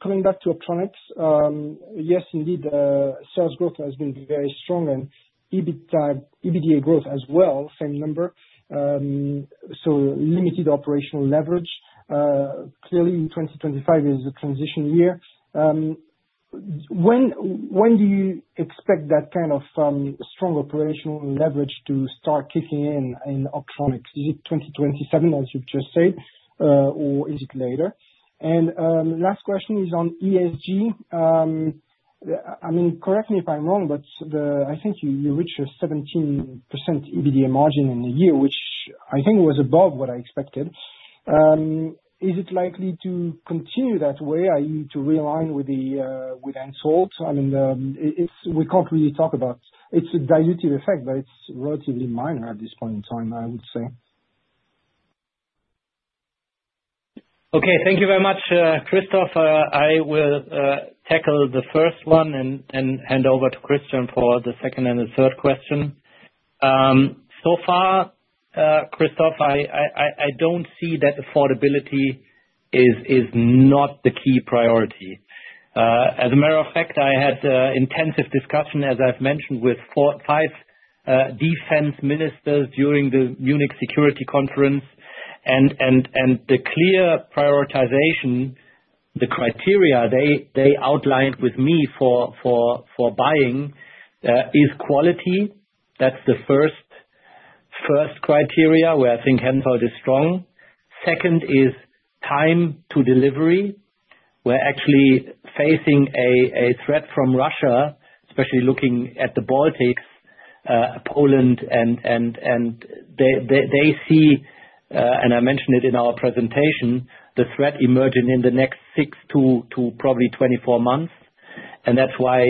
G: coming back to Optronics. Yes, indeed, sales growth has been very strong and EBITDA growth as well, same number. So limited operational leverage. Clearly, 2025 is a transition year. When do you expect that kind of strong operational leverage to start kicking in in Optronics? Is it 2027, as you've just said, or is it later? And last question is on ESG. I mean, correct me if I'm wrong, but I think you reached a 17% EBITDA margin in a year, which I think was above what I expected. Is it likely to continue that way? Are you to realign with HENSOLDT? I mean, we can't really talk about it's a dilutive effect, but it's relatively minor at this point in time, I would say.
C: Okay. Thank you very much, Christophe. I will tackle the first one and hand over to Christian for the second and the third question. So far, Christophe, I don't see that affordability is not the key priority. As a matter of fact, I had intensive discussion, as I've mentioned, with five defense ministers during the Munich Security Conference. And the clear prioritization, the criteria they outlined with me for buying is quality. That's the first criteria where I think HENSOLDT is strong. Second is time to delivery. We're actually facing a threat from Russia, especially looking at the Baltics, Poland, and they see, and I mentioned it in our presentation, the threat emerging in the next six to probably 24 months. And that's why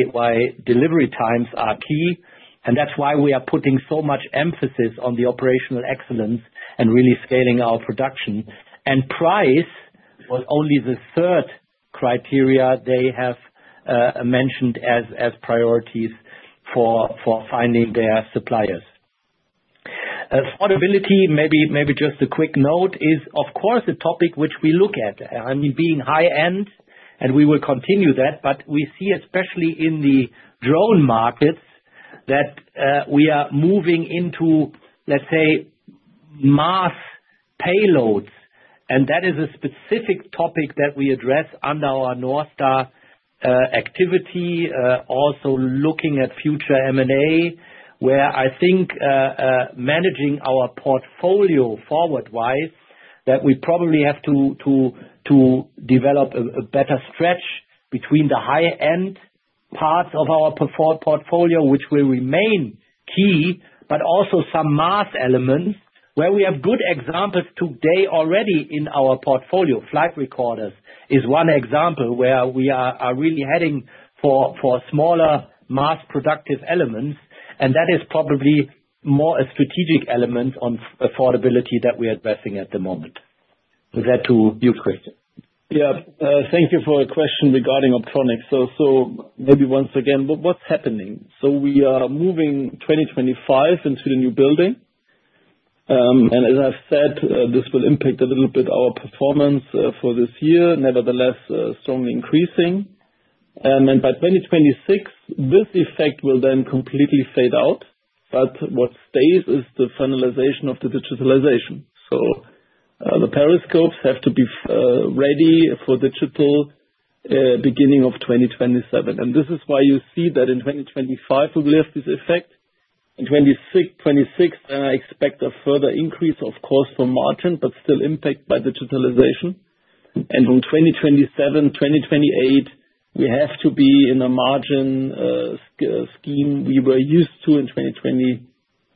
C: delivery times are key. And that's why we are putting so much emphasis on the operational excellence and really scaling our production. And price was only the third criteria they have mentioned as priorities for finding their suppliers. Affordability, maybe just a quick note, is, of course, a topic which we look at. I mean, being high-end, and we will continue that, but we see, especially in the drone markets, that we are moving into, let's say, mass payloads. That is a specific topic that we address under our North Star activity, also looking at future M&A, where I think managing our portfolio forward-wise, that we probably have to develop a better stretch between the high-end parts of our portfolio, which will remain key, but also some mass elements where we have good examples today already in our portfolio. Flight recorders is one example where we are really heading for smaller mass productive elements. And that is probably more a strategic element on affordability that we are addressing at the moment. Is that to you, Christian?
D: Yeah. Thank you for the question regarding Optronics. So maybe once again, what's happening? So we are moving 2025 into the new building. And as I've said, this will impact a little bit our performance for this year, nevertheless strongly increasing. And by 2026, this effect will then completely fade out. But what stays is the finalization of the digitalization. So the periscopes have to be ready for digital beginning of 2027. And this is why you see that in 2025, we will have this effect. In 2026, then I expect a further increase, of course, for margin, but still impact by digitalization. And from 2027, 2028, we have to be in a margin scheme we were used to in 2020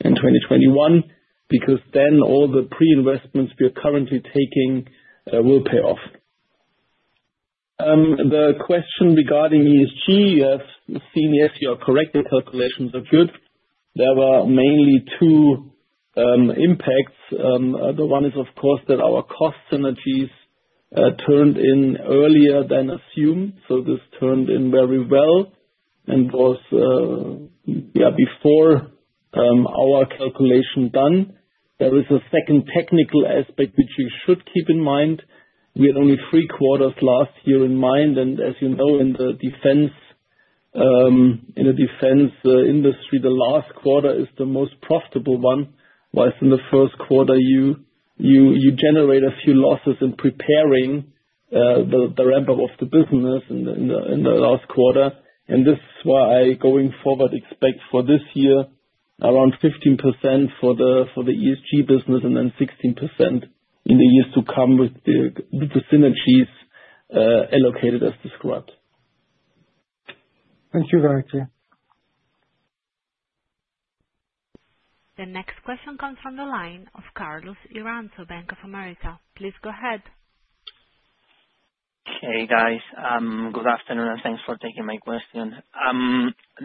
D: and 2021 because then all the pre-investments we are currently taking will pay off. The question regarding ESG, you have seen, yes, you are correct. The calculations are good. There were mainly two impacts. The one is, of course, that our cost synergies turned in earlier than assumed. So this turned in very well and was, yeah, before our calculation done. There is a second technical aspect which you should keep in mind. We had only three quarters last year in mind. And as you know, in the defense industry, the last quarter is the most profitable one, whereas in the first quarter, you generate a few losses in preparing the ramp-up of the business in the last quarter. And this is why going forward, expect for this year around 15% for the ESG business and then 16% in the years to come with the synergies allocated as described.
G: Thank you, very much.
A: The next question comes from the line of Carlos Iranzo of Bank of America. Please go ahead.
H: Hey, guys. Good afternoon, and thanks for taking my question.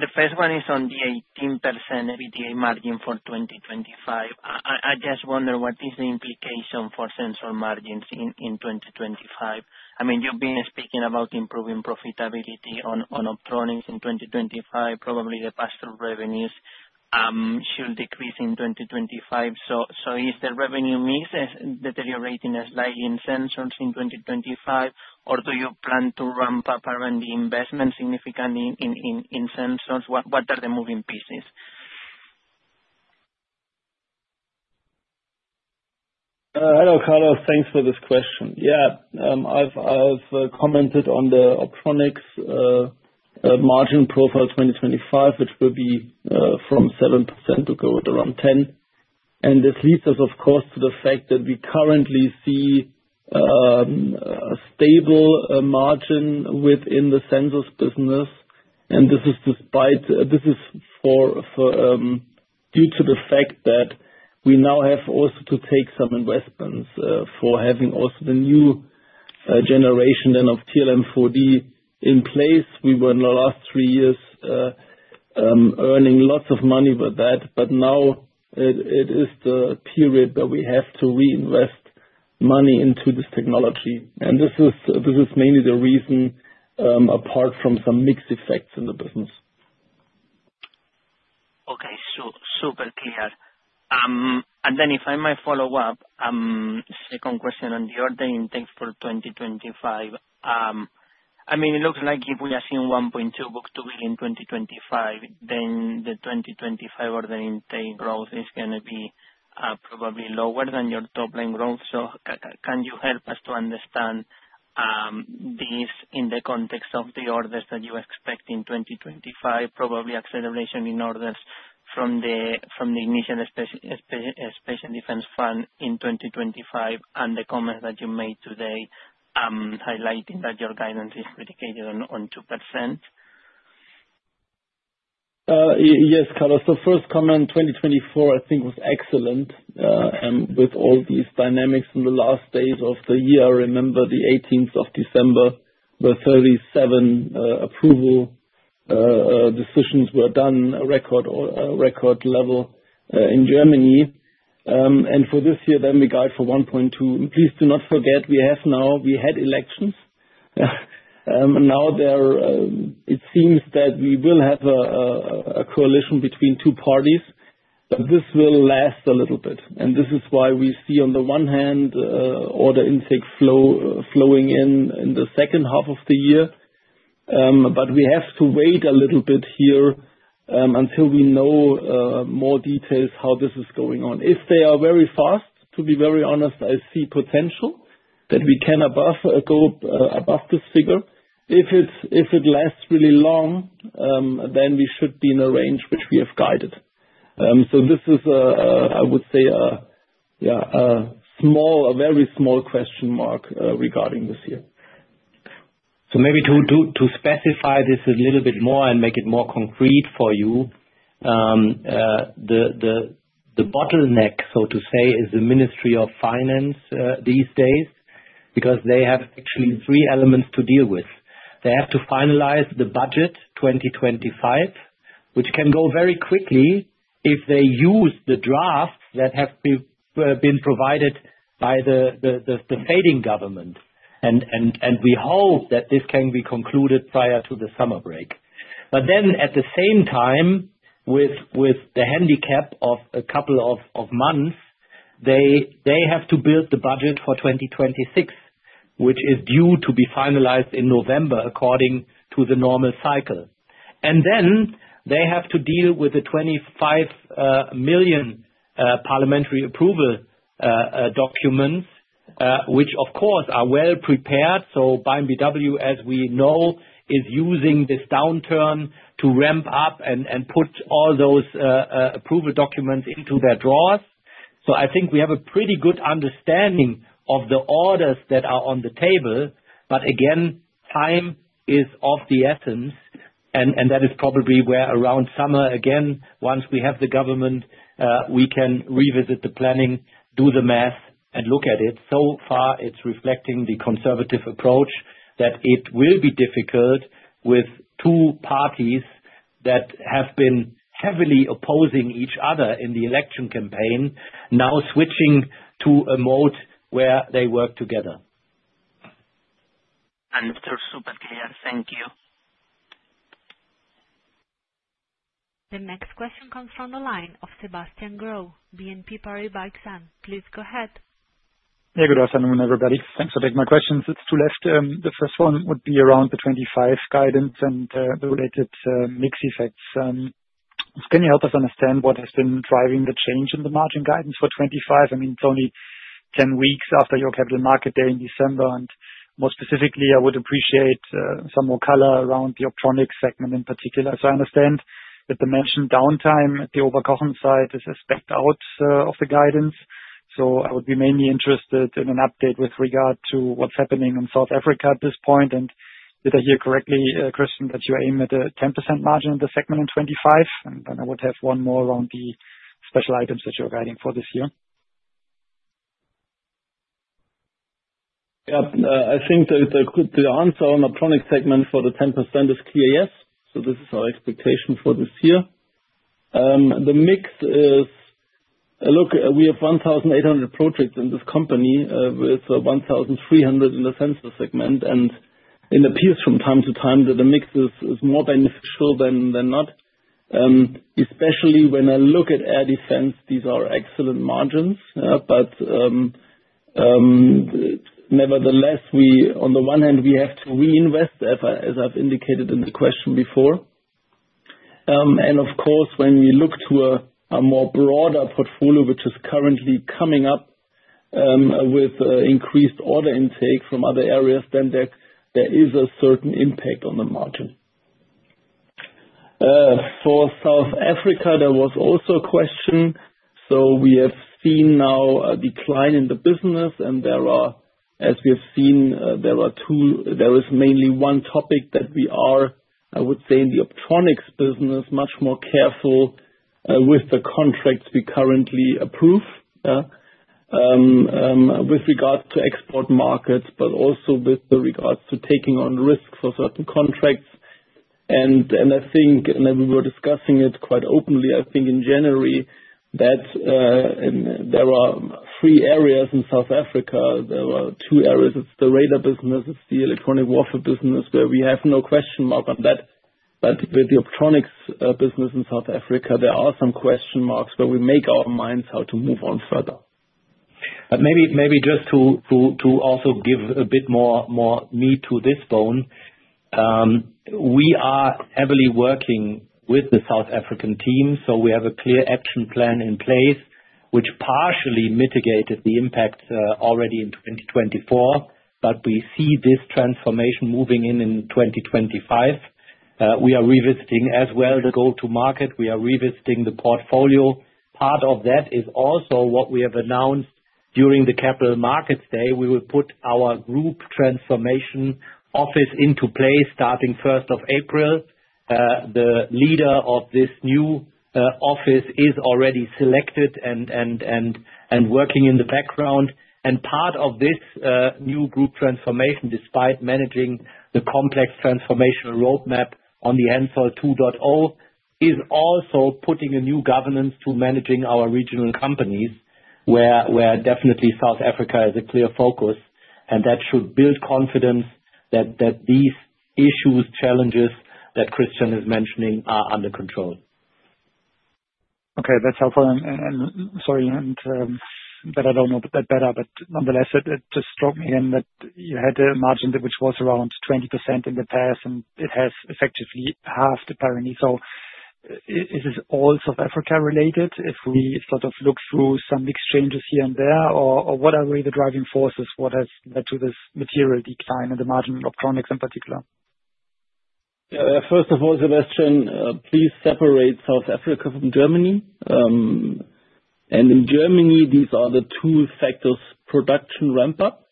H: The first one is on the 18% EBITDA margin for 2025. I just wonder what is the implication for Sensor margins in 2025. I mean, you've been speaking about improving profitability on Optronics in 2025. Probably the pass-through revenues should decrease in 2025. So is the revenue mix deteriorating slightly in Sensors in 2025, or do you plan to ramp up R&D investment significantly in Sensors? What are the moving pieces?
D: Hello, Carlos. Thanks for this question. Yeah. I've commented on the Optronics margin profile 2025, which will be from 7% to go to around 10%. And this leads us, of course, to the fact that we currently see a stable margin within the Sensors business. And this is despite this is due to the fact that we now have also to take some investments for having also the new generation then of TRML-4D in place. We were in the last three years earning lots of money with that. But now it is the period that we have to reinvest money into this technology. And this is mainly the reason, apart from some mix effects in the business.
H: Okay. So super clear. And then if I may follow up, second question on the order intake for 2025. I mean, it looks like if we are seeing 1.2 book-to-bill in 2025, then the 2025 order intake growth is going to be probably lower than your top-line growth. So can you help us to understand this in the context of the orders that you expect in 2025, probably acceleration in orders from the initial special defense fund in 2025 and the comments that you made today highlighting that your guidance is predicated on 2%?
D: Yes, Carlos. The first comment, 2024, I think was excellent. With all these dynamics in the last days of the year, remember the 18th of December, the 37 approval decisions were done at record level in Germany. For this year, then we guide for 1.2. Please do not forget, we had elections. Now, it seems that we will have a coalition between two parties, but this will last a little bit. And this is why we see on the one hand, order intake flowing in in the second half of the year. But we have to wait a little bit here until we know more details how this is going on. If they are very fast, to be very honest, I see potential that we can above this figure. If it lasts really long, then we should be in a range which we have guided. So this is, I would say, a very small question mark regarding this year.
C: So maybe to specify this a little bit more and make it more concrete for you, the bottleneck, so to say, is the Ministry of Finance these days because they have actually three elements to deal with. They have to finalize the budget 2025, which can go very quickly if they use the drafts that have been provided by the fading government, and we hope that this can be concluded prior to the summer break. But then, at the same time, with the handicap of a couple of months, they have to build the budget for 2026, which is due to be finalized in November according to the normal cycle, and then they have to deal with the 25 million parliamentary approval documents, which, of course, are well prepared. So BAAINBw, as we know, is using this downturn to ramp up and put all those approval documents into their drawers. So I think we have a pretty good understanding of the orders that are on the table, but again, time is of the essence. And that is probably where around summer, again, once we have the government, we can revisit the planning, do the math, and look at it. So far, it's reflecting the conservative approach that it will be difficult with two parties that have been heavily opposing each other in the election campaign, now switching to a mode where they work together.
H: And so super clear. Thank you.
A: The next question comes from the line of Sebastian Growe, BNP Paribas. Please go ahead.
I: Yeah, good afternoon, everybody. Thanks for taking my questions. It's two left. The first one would be around the 25 guidance and the related mixed effects. Can you help us understand what has been driving the change in the margin guidance for 25? I mean, it's only 10 weeks after your capital market day in December. And more specifically, I would appreciate some more color around the Optronics segment in particular. So I understand that the mentioned downtime at the Oberkochen site is outside the guidance. So I would be mainly interested in an update with regard to what's happening in South Africa at this point. And did I hear correctly, Christian, that you aim at a 10% margin in the segment in 2025? And then I would have one more around the special items that you're guiding for this year.
D: Yeah. I think the answer on the Optronics segment for the 10% is clear, yes. So this is our expectation for this year. The mix is, look, we have 1,800 projects in this company with 1,300 in the Sensor segment. And it appears from time to time that the mix is more beneficial than not, especially when I look at air defense. These are excellent margins. But nevertheless, on the one hand, we have to reinvest as I've indicated in the question before. And of course, when we look to a more broader portfolio, which is currently coming up with increased order intake from other areas, then there is a certain impact on the margin. For South Africa, there was also a question. So we have seen now a decline in the business. And as we have seen, there is mainly one topic that we are, I would say, in the Optronics business, much more careful with the contracts we currently approve, with regards to export markets, but also with regards to taking on risks for certain contracts. And I think, and we were discussing it quite openly, I think in January, that there are three areas in South Africa. There were two areas. It's the radar business. It's the electronic warfare business, where we have no question mark on that. But with the Optronics business in South Africa, there are some question marks where we make our minds how to move on further.
C: Maybe just to also give a bit more meat to this bone, we are heavily working with the South African team. So we have a clear action plan in place, which partially mitigated the impact already in 2024. But we see this transformation moving in 2025. We are revisiting as well the go-to-market. We are revisiting the portfolio. Part of that is also what we have announced during the Capital Markets Day. We will put our Group Transformation Office into play starting 1st of April. The leader of this new office is already selected and working in the background. And part of this new group transformation, despite managing the complex transformational roadmap on the HENSOLDT 2.0, is also putting a new governance to managing our regional companies, where definitely South Africa is a clear focus. And that should build confidence that these issues, challenges that Christian is mentioning, are under control.
I: Okay. That's helpful. And sorry, but I don't know that better. But nonetheless, it just struck me again that you had a margin which was around 20% in the past, and it has effectively halved in the past. So is this all South Africa related? If we sort of look through some exchanges here and there, or what are really the driving forces? What has led to this material decline in the margin of Optronics in particular?
D: Yeah. First of all, Sebastian, please separate South Africa from Germany. And in Germany, these are the two factors: production ramp-up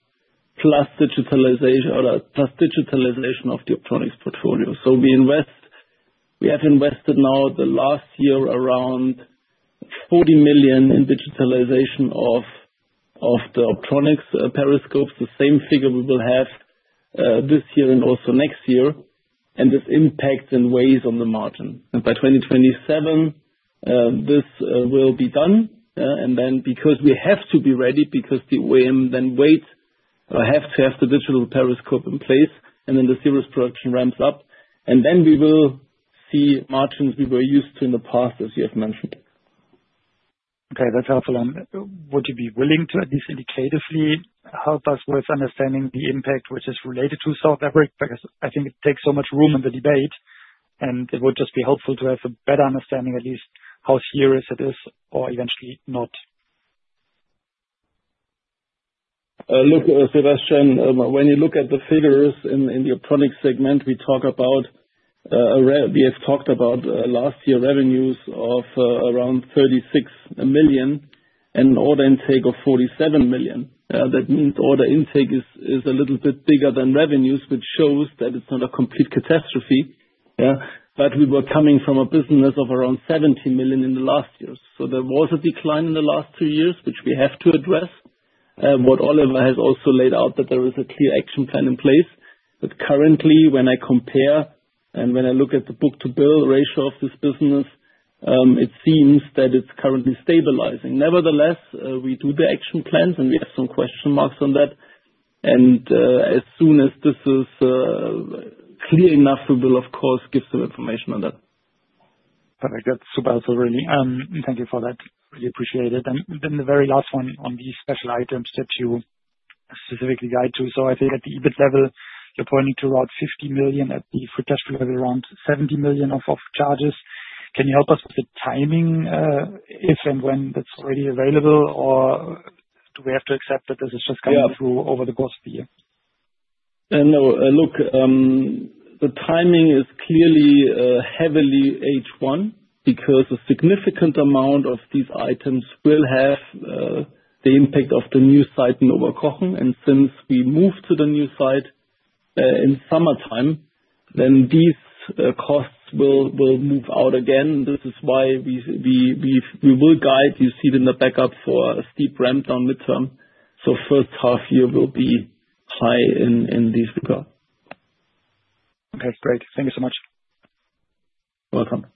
D: plus digitalization of the Optronics portfolio. So we have invested now the last year around 40 million in digitalization of the Optronics periscopes. The same figure we will have this year and also next year. And this impacts in ways on the margin. And by 2027, this will be done. And then because we have to be ready, because the OEM then waits or has to have the digital periscope in place, and then the series production ramps up. And then we will see margins we were used to in the past, as you have mentioned.
I: Okay. That's helpful. Would you be willing to at least indicatively help us with understanding the impact which is related to South Africa? Because I think it takes so much room in the debate, and it would just be helpful to have a better understanding at least how serious it is or eventually not.
D: Look, Sebastian, when you look at the figures in the Optronics segment, we have talked about last year's revenues of around 36 million and an order intake of 47 million. That means order intake is a little bit bigger than revenues, which shows that it's not a complete catastrophe. But we were coming from a business of around 70 million in the last year. So there was a decline in the last two years, which we have to address. What Oliver has also laid out, that there is a clear action plan in place. But currently, when I compare and when I look at the book-to-bill ratio of this business, it seems that it's currently stabilizing. Nevertheless, we do the action plans, and we have some question marks on that. And as soon as this is clear enough, we will, of course, give some information on that.
I: Perfect. That's super helpful, really. Thank you for that. Really appreciate it. And then the very last one on these special items that you specifically guide to. So I see at the EBIT level, you're pointing to around 50 million at the pre-tax level, around 70 million of charges. Can you help us with the timing, if and when that's already available, or do we have to accept that this is just coming through over the course of the year?
D: No. Look, the timing is clearly heavily H1 because a significant amount of these items will have the impact of the new site in Oberkochen. And since we moved to the new site in summertime, then these costs will move out again. This is why we will guide. You see it in the backup for a steep ramp-down midterm. So first half year will be high in this regard.
I: Okay. Great. Thank you so much.
D: You're welcome.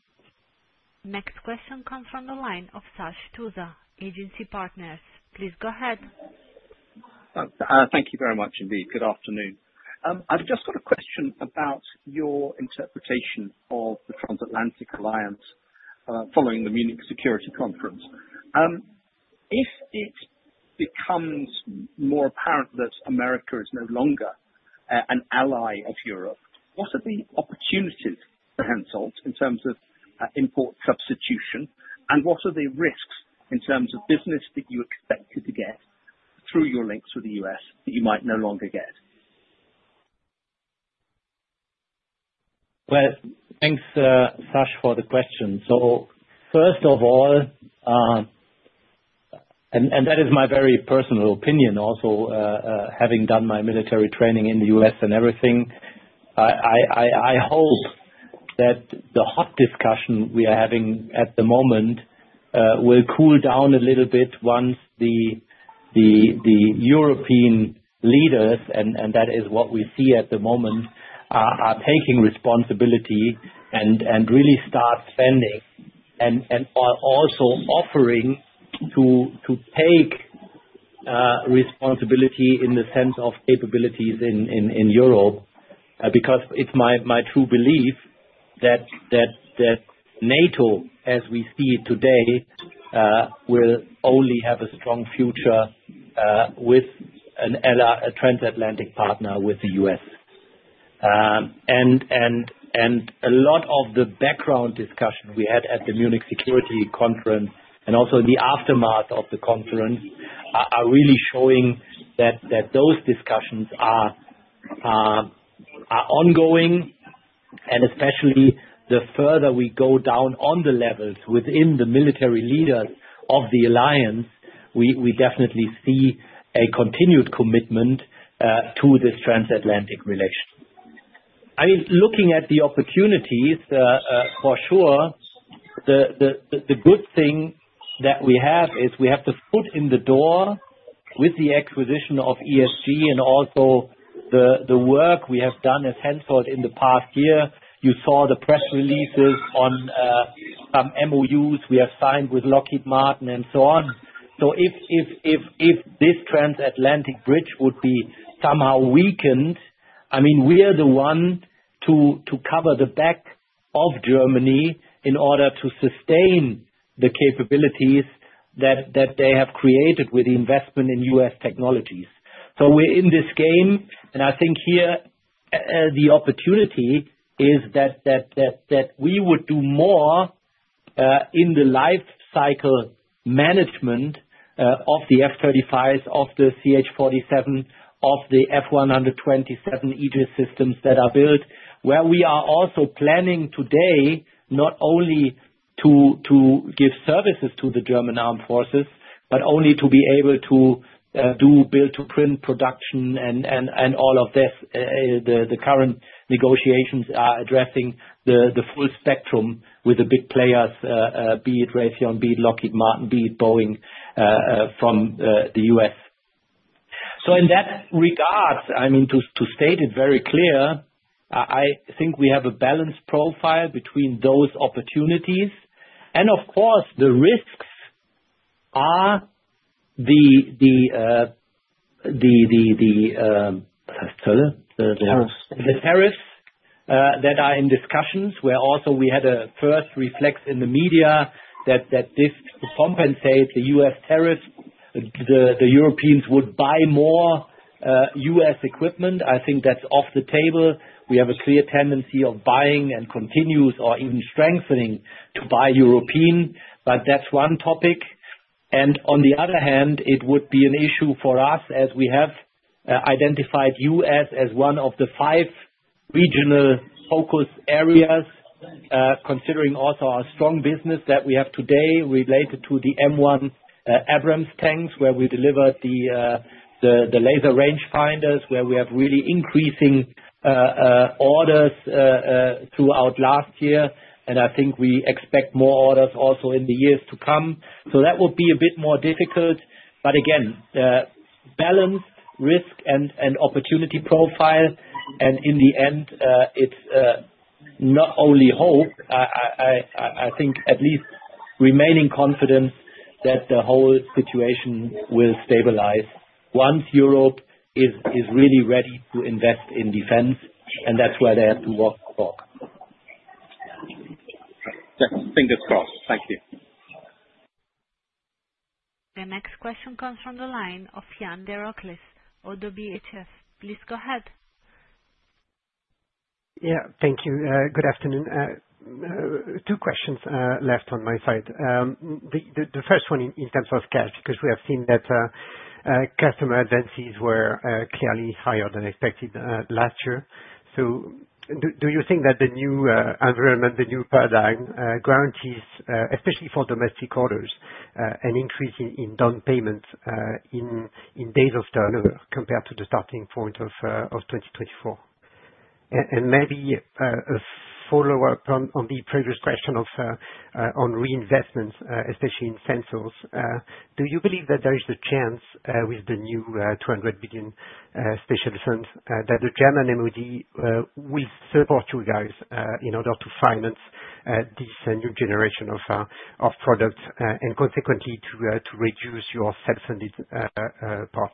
A: Next question comes from the line of Sash Tusa, Agency Partners. Please go ahead.
J: Thank you very much, indeed. Good afternoon. I've just got a question about your interpretation of the Transatlantic Alliance following the Munich Security Conference. If it becomes more apparent that America is no longer an ally of Europe, what are the opportunities for HENSOLDT in terms of import substitution? And what are the risks in terms of business that you expected to get through your links with the US that you might no longer get?
C: Well, thanks, Sash, for the question. So first of all, and that is my very personal opinion also, having done my military training in the U.S. and everything, I hope that the hot discussion we are having at the moment will cool down a little bit once the European leaders, and that is what we see at the moment, are taking responsibility and really start spending and also offering to take responsibility in the sense of capabilities in Europe. Because it's my true belief that NATO, as we see it today, will only have a strong future with a transatlantic partner with the U.S. And a lot of the background discussion we had at the Munich Security Conference and also in the aftermath of the conference are really showing that those discussions are ongoing. Especially the further we go down on the levels within the military leaders of the alliance, we definitely see a continued commitment to this transatlantic relation. I mean, looking at the opportunities, for sure, the good thing that we have is we have the foot in the door with the acquisition of ESG and also the work we have done at HENSOLDT in the past year. You saw the press releases on some MOUs we have signed with Lockheed Martin and so on. So if this transatlantic bridge would be somehow weakened, I mean, we are the one to cover the back of Germany in order to sustain the capabilities that they have created with the investment in U.S. technologies. So we're in this game. I think here the opportunity is that we would do more in the life cycle management of the F-35s, of the CH-47, of the F127 Aegis systems that are built, where we are also planning today not only to give services to the German armed forces, but only to be able to do build-to-print production and all of this. The current negotiations are addressing the full spectrum with the big players, be it Raytheon, be it Lockheed Martin, be it Boeing from the U.S. So in that regard, I mean, to state it very clear, I think we have a balanced profile between those opportunities. And of course, the risks are the tariffs that are in discussions, where also we had a first reflex in the media that this would compensate the U.S. tariffs. The Europeans would buy more U.S. equipment. I think that's off the table. We have a clear tendency of buying and continues or even strengthening to buy European. But that's one topic. And on the other hand, it would be an issue for us as we have identified U.S. as one of the five regional focus areas, considering also our strong business that we have today related to the M1 Abrams tanks, where we delivered the laser rangefinders, where we have really increasing orders throughout last year. And I think we expect more orders also in the years to come. So that would be a bit more difficult. But again, balanced risk and opportunity profile. And in the end, it's not only hope. I think at least remaining confident that the whole situation will stabilize once Europe is really ready to invest in defense. And that's where they have to work.
J: Fingers crossed. Thank you.
A: The next question comes from the line of Yan Derocles, ODDO BHF. Please go ahead.
K: Yeah. Thank you. Good afternoon. Two questions left on my side. The first one in terms of cash, because we have seen that customer advances were clearly higher than expected last year. So do you think that the new environment, the new paradigm guarantees, especially for domestic orders, an increase in down payment in days of turnover compared to the starting point of 2024? And maybe a follow-up on the previous question on reinvestments, especially in Sensors. Do you believe that there is a chance with the new €200 billion special funds that the German MOD will support you guys in order to finance this new generation of products and consequently to reduce your self-funded part?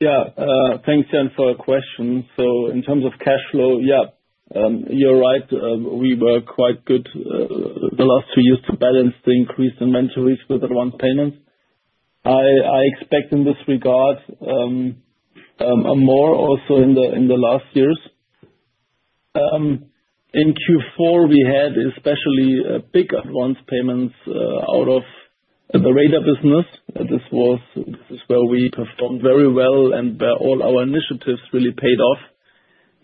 D: Yeah. Thanks, Yan, for a question. So in terms of cash flow, yeah, you're right. We were quite good the last two years to balance the increased inventories with advance payments. I expect in this regard more also in the last years. In Q4, we had especially big advance payments out of the radar business. This was where we performed very well and where all our initiatives really paid off.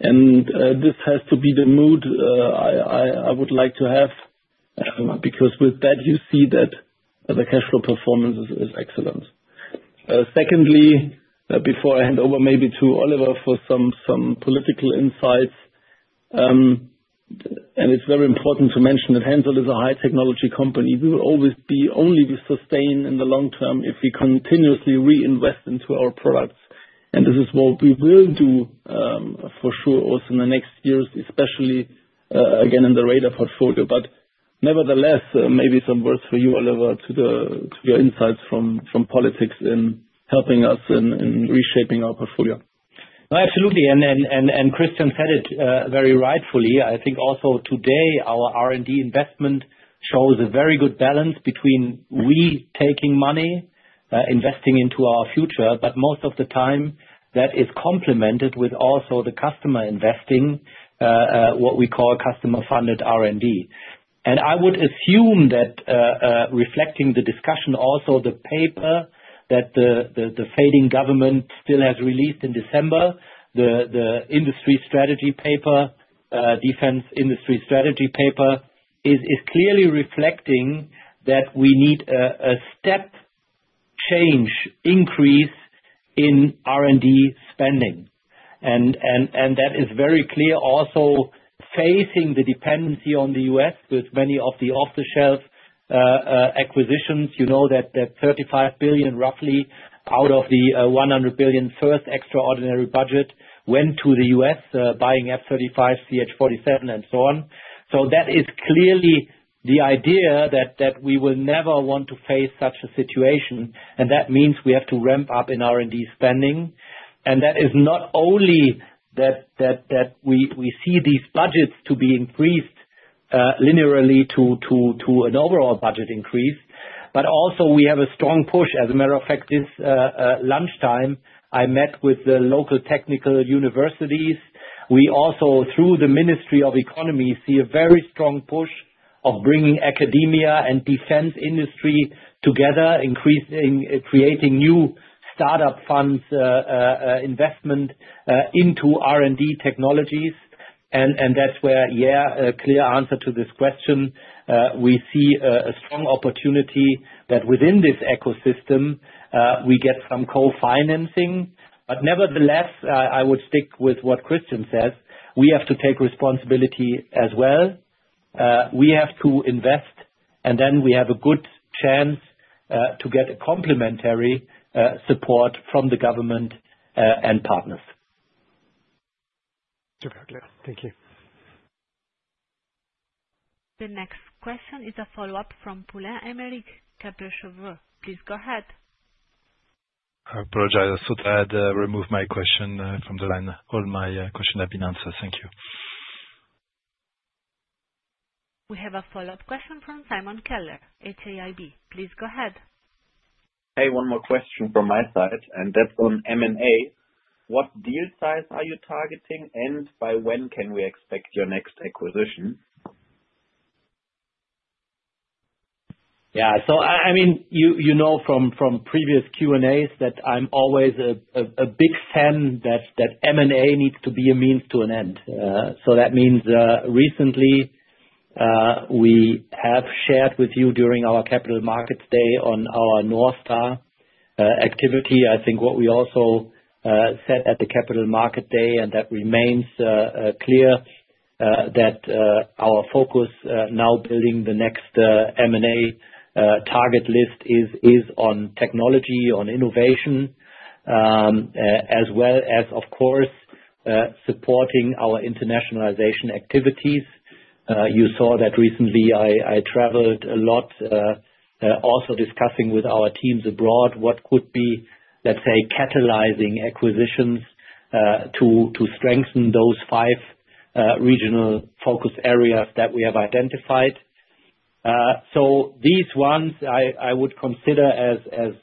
D: And this has to be the mood I would like to have. Because with that, you see that the cash flow performance is excellent. Secondly, before I hand over maybe to Oliver for some political insights, and it's very important to mention that HENSOLDT is a high-technology company. We will always be only sustained in the long term if we continuously reinvest into our products. And this is what we will do for sure also in the next years, especially again in the radar portfolio. But nevertheless, maybe some words for you, Oliver, to your insights from politics in helping us in reshaping our portfolio.
C: Absolutely. And Christian said it very rightfully. I think also today our R&D investment shows a very good balance between we taking money, investing into our future, but most of the time that is complemented with also the customer investing, what we call customer-funded R&D. And I would assume that reflecting the discussion, also the paper that the federal government still has released in December, the industry strategy paper, defense industry strategy paper, is clearly reflecting that we need a step change increase in R&D spending. And that is very clear also facing the dependency on the U.S. with many of the off-the-shelf acquisitions. You know that 35 billion roughly out of the 100 billion first extraordinary budget went to the U.S. buying F-35, CH-47, and so on. So that is clearly the idea that we will never want to face such a situation. And that means we have to ramp up in R&D spending. And that is not only that we see these budgets to be increased linearly to an overall budget increase, but also we have a strong push. As a matter of fact, this lunchtime, I met with the local technical universities. We also, through the Ministry of Economy, see a very strong push of bringing academia and defense industry together, creating new startup funds investment into R&D technologies. And that's where, yeah, a clear answer to this question. We see a strong opportunity that within this ecosystem, we get some co-financing. But nevertheless, I would stick with what Christian says. We have to take responsibility as well. We have to invest, and then we have a good chance to get complementary support from the government and partners.
K: Super. Thank you.
A: The next question is a follow-up from Aymeric Poulain. Please go ahead.
E: Apologies. I thought I had removed my question from the line. All my questions have been answered. Thank you.
A: We have a follow-up question from Simon Keller, HAIB. Please go ahead.
F: Hey, one more question from my side. And that's on M&A. What deal size are you targeting, and by when can we expect your next acquisition?
C: Yeah. So I mean, you know from previous Q&As that I'm always a big fan that M&A needs to be a means to an end. So that means recently we have shared with you during our Capital Markets Day on our North Star activity. I think what we also said at the Capital Markets Day, and that remains clear, that our focus now building the next M&A target list is on technology, on innovation, as well as, of course, supporting our internationalization activities. You saw that recently I traveled a lot, also discussing with our teams abroad what could be, let's say, catalyzing acquisitions to strengthen those five regional focus areas that we have identified. So these ones I would consider as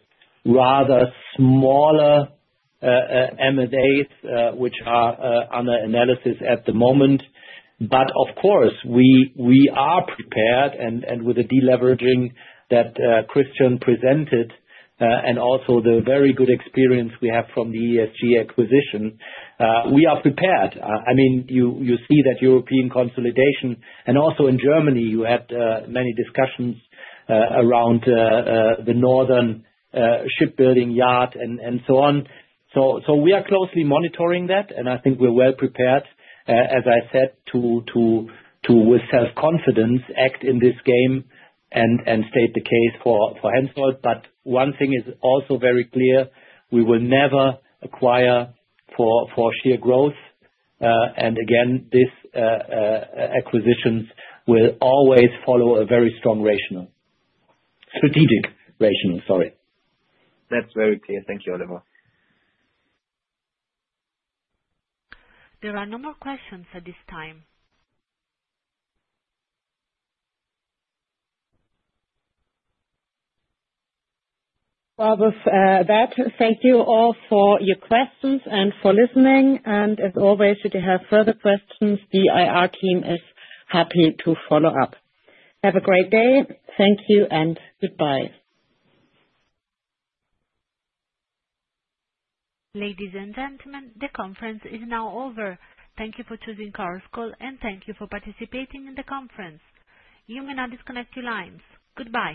C: rather smaller M&As which are under analysis at the moment. But of course, we are prepared, and with the deleveraging that Christian presented, and also the very good experience we have from the ESG acquisition, we are prepared. I mean, you see that European consolidation, and also in Germany, you had many discussions around the northern shipbuilding yard and so on. So we are closely monitoring that. I think we're well prepared, as I said, to with self-confidence act in this game and state the case for HENSOLDT. But one thing is also very clear. We will never acquire for sheer growth. And again, these acquisitions will always follow a very strong rationale. Strategic rationale, sorry.
F: That's very clear. Thank you, Oliver.
A: There are no more questions at this time.
B: With that, thank you all for your questions and for listening. As always, if you have further questions, the IR team is happy to follow up. Have a great day. Thank you and goodbye.
A: Ladies and gentlemen, the conference is now over. Thank you for choosing Chorus Call, and thank you for participating in the conference. You may now disconnect your lines. Goodbye.